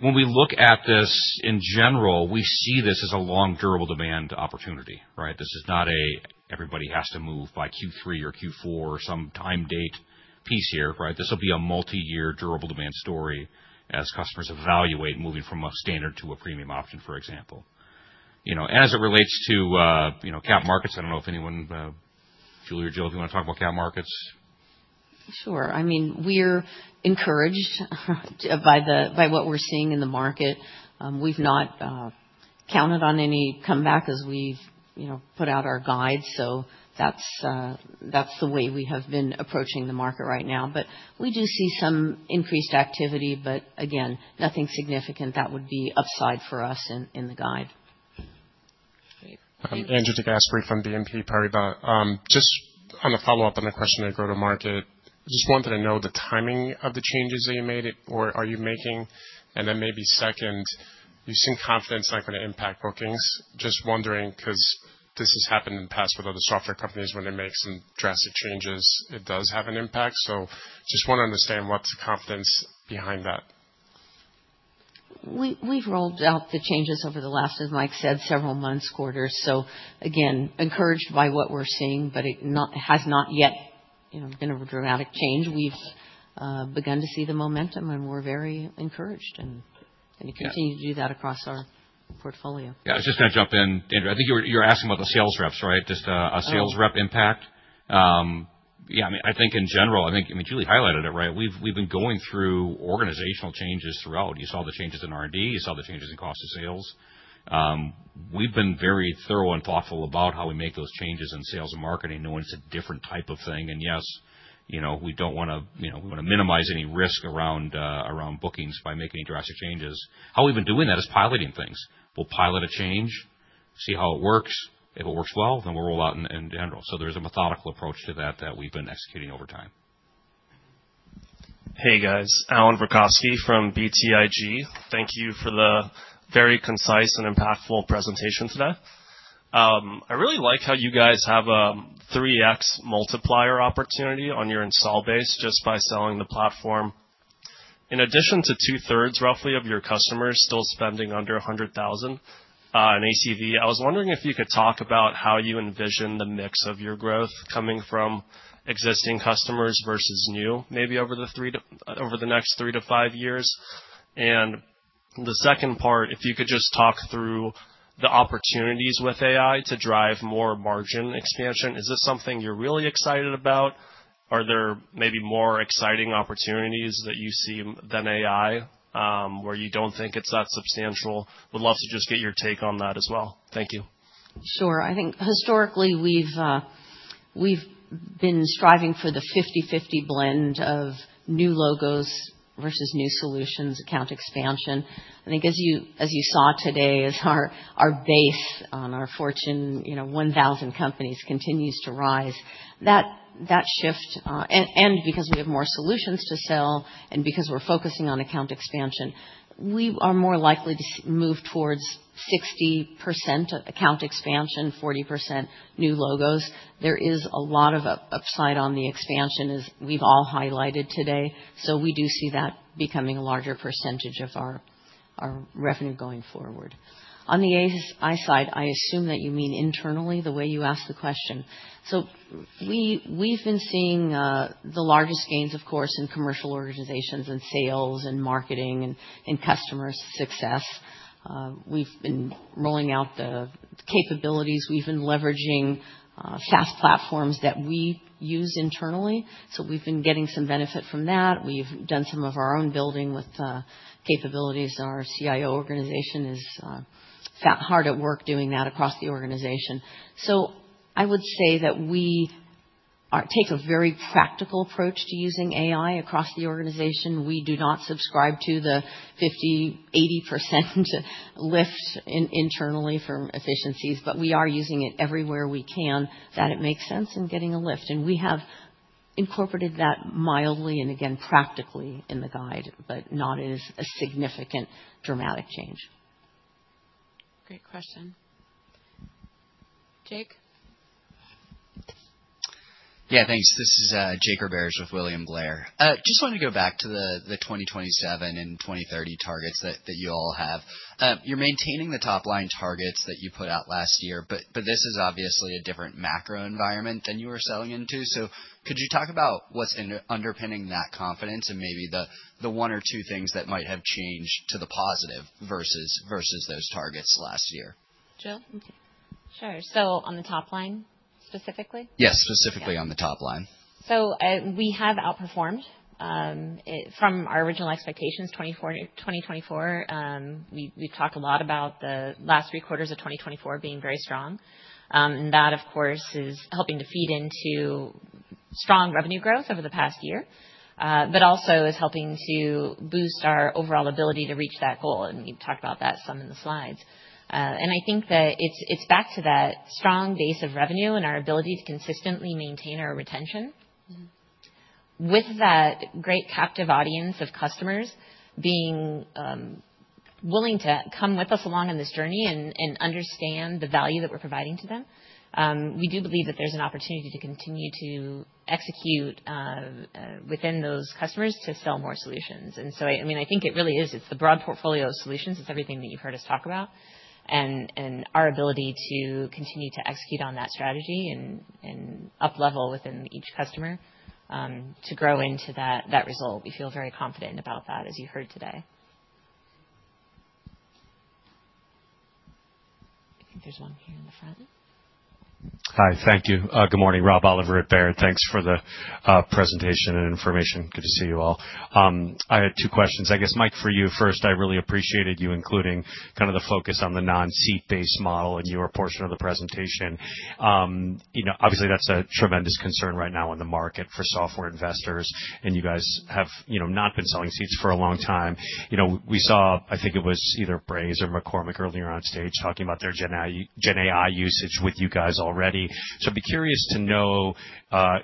When we look at this in general, we see this as a long durable demand opportunity, right? This is not a everybody has to move by Q3 or Q4 or some time date piece here, right? This will be a multi-year durable demand story as customers evaluate moving from a standard to a premium option, for example. As it relates to cap markets, I don't know if anyone, Julie or Jill, if you want to talk about cap markets. Sure. I mean, we're encouraged by what we're seeing in the market. We've not counted on any comeback as we've put out our guide, so that's the way we have been approaching the market right now, but we do see some increased activity, but again, nothing significant that would be upside for us in the guide. Andrew DeGasperi from BNP Paribas. Just on a follow-up on the question of go-to-market, just wanted to know the timing of the changes that you made or are you making. And then maybe second, you've seen confidence not going to impact bookings. Just wondering because this has happened in the past with other software companies when they make some drastic changes, it does have an impact, so just want to understand what's the confidence behind that. We've rolled out the changes over the last, as Mike said, several months, quarters, so again, encouraged by what we're seeing, but it has not yet been a dramatic change. We've begun to see the momentum, and we're very encouraged and continue to do that across our portfolio. Yeah, I was just going to jump in, Andrew. I think you were asking about the sales reps, right? Just a sales rep impact. Yeah, I mean, I think in general, I think, I mean, Julie highlighted it, right? We've been going through organizational changes throughout. You saw the changes in R&D. You saw the changes in cost of sales. We've been very thorough and thoughtful about how we make those changes in sales and marketing. No one's a different type of thing. And yes, we don't want to minimize any risk around bookings by making drastic changes. How we've been doing that is piloting things. We'll pilot a change, see how it works. If it works well, then we'll roll out in general. So there's a methodical approach to that that we've been executing over time. Hey, guys. Allan Verkhovski from BTIG. Thank you for the very concise and impactful presentation today. I really like how you guys have a 3x multiplier opportunity on your install base just by selling the platform. In addition to 2/3 roughly of your customers still spending under $100,000 in ACV, I was wondering if you could talk about how you envision the mix of your growth coming from existing customers versus new, maybe over the next three to five years. And the second part, if you could just talk through the opportunities with AI to drive more margin expansion. Is this something you're really excited about? Are there maybe more exciting opportunities that you see than AI where you don't think it's that substantial? Would love to just get your take on that as well. Thank you. Sure. I think historically we've been striving for the 50/50 blend of new logos versus new solutions, account expansion. I think as you saw today, as our base on our Fortune 1000 companies continues to rise, that shift, and because we have more solutions to sell and because we're focusing on account expansion, we are more likely to move towards 60% account expansion, 40% new logos. There is a lot of upside on the expansion, as we've all highlighted today. So we do see that becoming a larger percentage of our revenue going forward. On the AI side, I assume that you mean internally the way you asked the question. So we've been seeing the largest gains, of course, in commercial organizations and sales and marketing and customer success. We've been rolling out the capabilities. We've been leveraging SaaS platforms that we use internally. So we've been getting some benefit from that. We've done some of our own building with capabilities. Our CIO organization is hard at work doing that across the organization. So I would say that we take a very practical approach to using AI across the organization. We do not subscribe to the 50%-80% lift internally for efficiencies, but we are using it everywhere we can that it makes sense in getting a lift. And we have incorporated that mildly and again, practically in the guide, but not as a significant dramatic change. Great question. Jake? Yeah, thanks. This is Jake Roberge with William Blair. Just wanted to go back to the 2027 and 2030 targets that you all have. You're maintaining the top-line targets that you put out last year, but this is obviously a different macro environment than you were selling into. So, could you talk about what's underpinning that confidence and maybe the one or two things that might have changed to the positive versus those targets last year? Jill? Sure. So, on the top line specifically? Yes, specifically on the top line. So, we have outperformed from our original expectations 2024. We've talked a lot about the last three quarters of 2024 being very strong. And that, of course, is helping to feed into strong revenue growth over the past year, but also is helping to boost our overall ability to reach that goal. And we've talked about that some in the slides. And I think that it's back to that strong base of revenue and our ability to consistently maintain our retention. With that great captive audience of customers being willing to come with us along in this journey and understand the value that we're providing to them, we do believe that there's an opportunity to continue to execute within those customers to sell more solutions, and so, I mean, I think it really is, it's the broad portfolio of solutions. It's everything that you've heard us talk about and our ability to continue to execute on that strategy and up-level within each customer to grow into that result. We feel very confident about that, as you heard today. I think there's one here in the front. Hi, thank you. Good morning, Rob Oliver at Baird. Thanks for the presentation and information. Good to see you all. I had two questions. I guess, Mike, for you first, I really appreciated you including kind of the focus on the non-seat-based model in your portion of the presentation. Obviously, that's a tremendous concern right now in the market for software investors, and you guys have not been selling seats for a long time. We saw, I think it was either Braze or McCormick earlier on stage talking about their GenAI usage with you guys already. So I'd be curious to know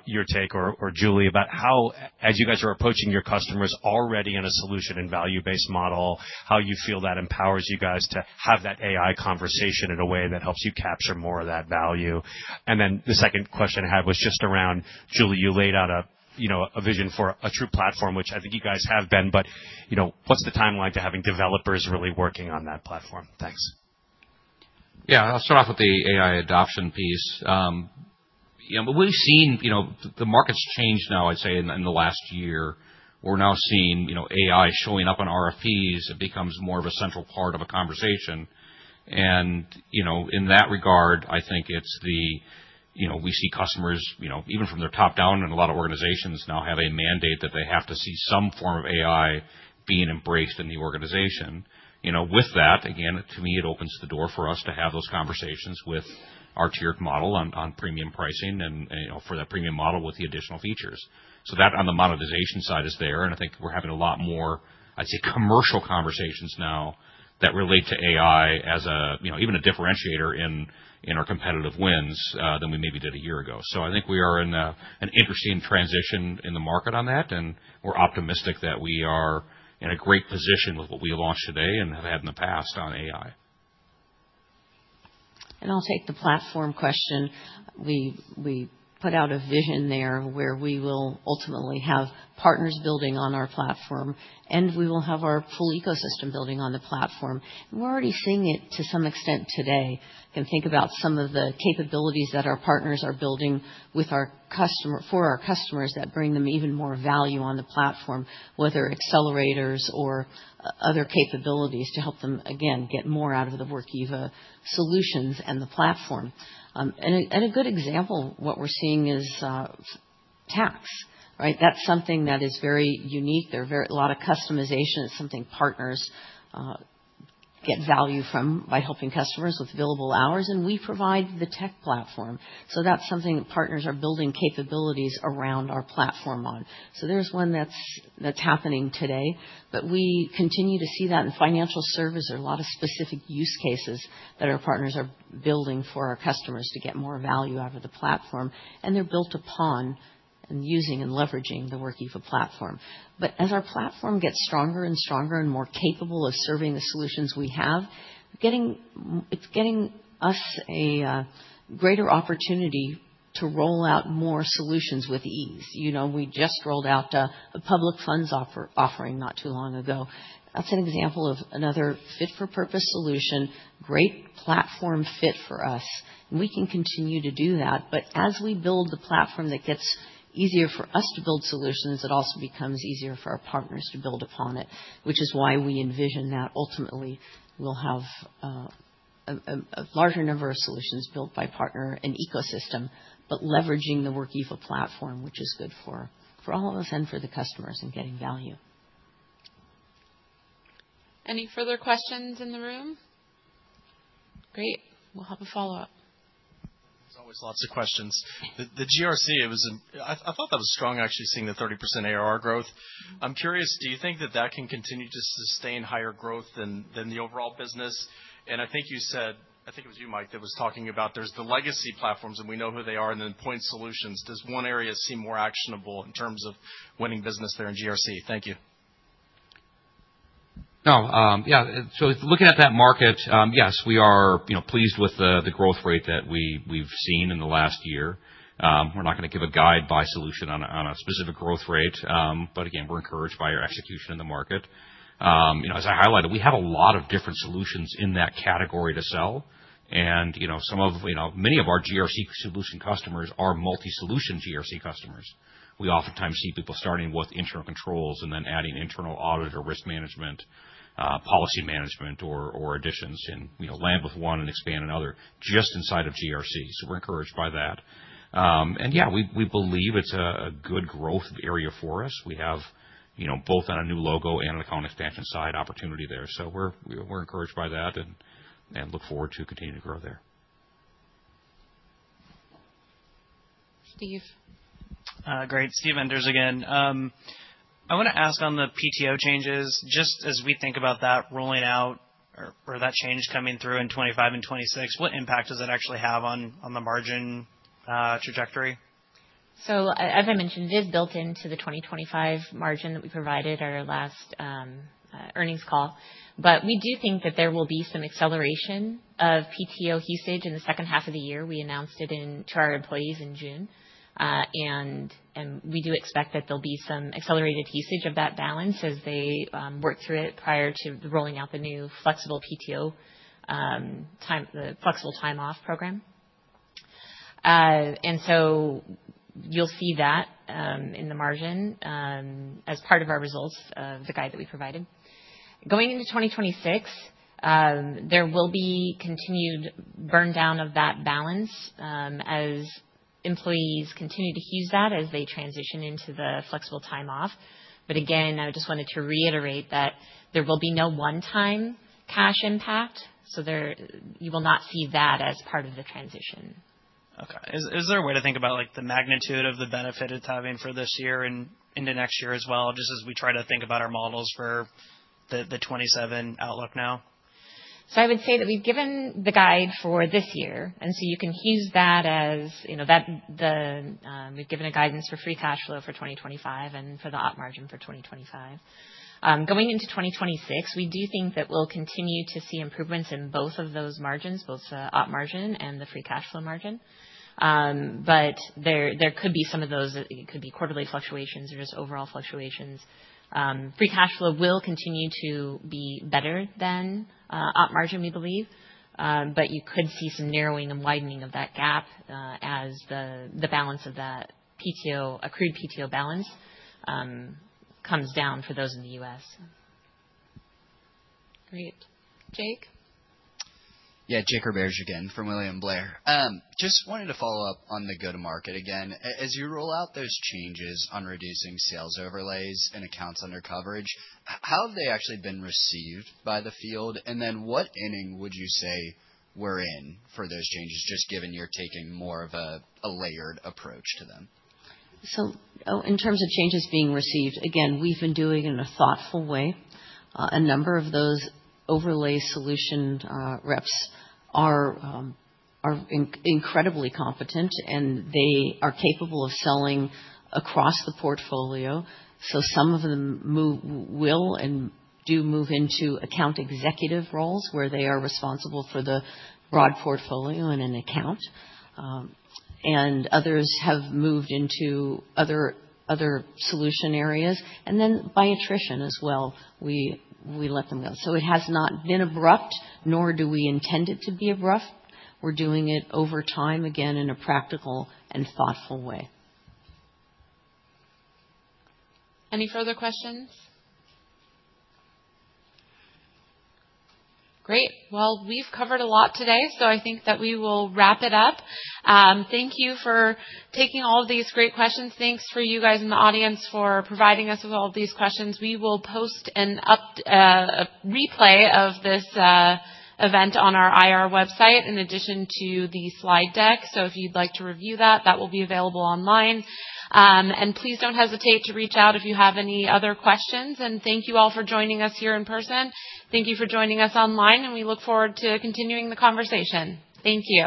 your take or Julie about how, as you guys are approaching your customers already in a solution and value-based model, how you feel that empowers you guys to have that AI conversation in a way that helps you capture more of that value. And then the second question I had was just around, Julie, you laid out a vision for a true platform, which I think you guys have been, but what's the timeline to having developers really working on that platform? Thanks. Yeah, I'll start off with the AI adoption piece. We've seen the markets change now, I'd say, in the last year. We're now seeing AI showing up on RFPs. It becomes more of a central part of a conversation. And in that regard, I think it's the we see customers, even from their top down, and a lot of organizations now have a mandate that they have to see some form of AI being embraced in the organization. With that, again, to me, it opens the door for us to have those conversations with our tiered model on premium pricing and for that premium model with the additional features. So that on the monetization side is there. And I think we're having a lot more, I'd say, commercial conversations now that relate to AI as even a differentiator in our competitive wins than we maybe did a year ago. So I think we are in an interesting transition in the market on that, and we're optimistic that we are in a great position with what we launched today and have had in the past on AI. And I'll take the platform question. We put out a vision there where we will ultimately have partners building on our platform, and we will have our full ecosystem building on the platform. And we're already seeing it to some extent today. Can think about some of the capabilities that our partners are building for our customers that bring them even more value on the platform, whether accelerators or other capabilities to help them, again, get more out of the Workiva solutions and the platform. A good example of what we're seeing is tax, right? That's something that is very unique. There are a lot of customizations. It's something partners get value from by helping customers with billable hours, and we provide the tech platform. That's something partners are building capabilities around our platform on. There's one that's happening today, but we continue to see that in financial services. There are a lot of specific use cases that our partners are building for our customers to get more value out of the platform. They're built upon and using and leveraging the Workiva platform. But as our platform gets stronger and stronger and more capable of serving the solutions we have, it's getting us a greater opportunity to roll out more solutions with ease. We just rolled out a public funds offering not too long ago. That's an example of another fit-for-purpose solution, great platform fit for us. We can continue to do that. But as we build the platform that gets easier for us to build solutions, it also becomes easier for our partners to build upon it, which is why we envision that ultimately we'll have a larger number of solutions built by partner and ecosystem, but leveraging the Workiva platform, which is good for all of us and for the customers and getting value. Any further questions in the room? Great. We'll have a follow-up. There's always lots of questions. The GRC, I thought that was strong, actually, seeing the 30% ARR growth. I'm curious, do you think that that can continue to sustain higher growth than the overall business? And I think you said, I think it was you, Mike, that was talking about there's the legacy platforms and we know who they are and then point solutions. Does one area seem more actionable in terms of winning business there in GRC? Thank you. No. Yeah. So looking at that market, yes, we are pleased with the growth rate that we've seen in the last year. We're not going to give a guide by solution on a specific growth rate. But again, we're encouraged by our execution in the market. As I highlighted, we have a lot of different solutions in that category to sell. And many of our GRC solution customers are multi-solution GRC customers. We oftentimes see people starting with internal controls and then adding internal audit or risk management, policy management, or additions and land with one and expand another just inside of GRC. So we're encouraged by that, and yeah, we believe it's a good growth area for us. We have both on a new logo and an account expansion side opportunity there. So we're encouraged by that and look forward to continuing to grow there. Steve. Great. Steve Enders again. I want to ask on the PTO changes. Just as we think about that rolling out or that change coming through in 2025 and 2026, what impact does that actually have on the margin trajectory? So as I mentioned, it is built into the 2025 margin that we provided our last earnings call. But we do think that there will be some acceleration of PTO usage in the second half of the year. We announced it to our employees in June. And we do expect that there'll be some accelerated usage of that balance as they work through it prior to rolling out the new flexible PTO, the flexible time off program. And so you'll see that in the margin as part of our results of the guide that we provided. Going into 2026, there will be continued burndown of that balance as employees continue to use that as they transition into the flexible time off. But again, I just wanted to reiterate that there will be no one-time cash impact. So you will not see that as part of the transition. Okay. Is there a way to think about the magnitude of the benefit it's having for this year and into next year as well, just as we try to think about our models for the 2027 outlook now? So I would say that we've given the guide for this year. And so you can use that as we've given a guidance for free cash flow for 2025 and for the op margin for 2025. Going into 2026, we do think that we'll continue to see improvements in both of those margins, both the op margin and the free cash flow margin. But there could be some of those. It could be quarterly fluctuations or just overall fluctuations. Free cash flow will continue to be better than op margin, we believe. But you could see some narrowing and widening of that gap as the balance of that accrued PTO balance comes down for those in the U.S. Great. Jake? Yeah, Jake Roberge again from William Blair. Just wanted to follow up on the go-to-market again. As you roll out those changes on reducing sales overlays and accounts under coverage, how have they actually been received by the field? And then what inning would you say we're in for those changes, just given you're taking more of a layered approach to them? So in terms of changes being received, again, we've been doing it in a thoughtful way. A number of those overlay solution reps are incredibly competent, and they are capable of selling across the portfolio. So some of them will and do move into account executive roles where they are responsible for the broad portfolio and an account. Others have moved into other solution areas. Then by attrition as well, we let them go. It has not been abrupt, nor do we intend it to be abrupt. We're doing it over time, again, in a practical and thoughtful way. Any further questions? Great. We've covered a lot today, so I think that we will wrap it up. Thank you for taking all of these great questions. Thanks for you guys in the audience for providing us with all of these questions. We will post a replay of this event on our IR website in addition to the slide deck. If you'd like to review that, that will be available online. Please don't hesitate to reach out if you have any other questions. Thank you all for joining us here in person. Thank you for joining us online, and we look forward to continuing the conversation. Thank you.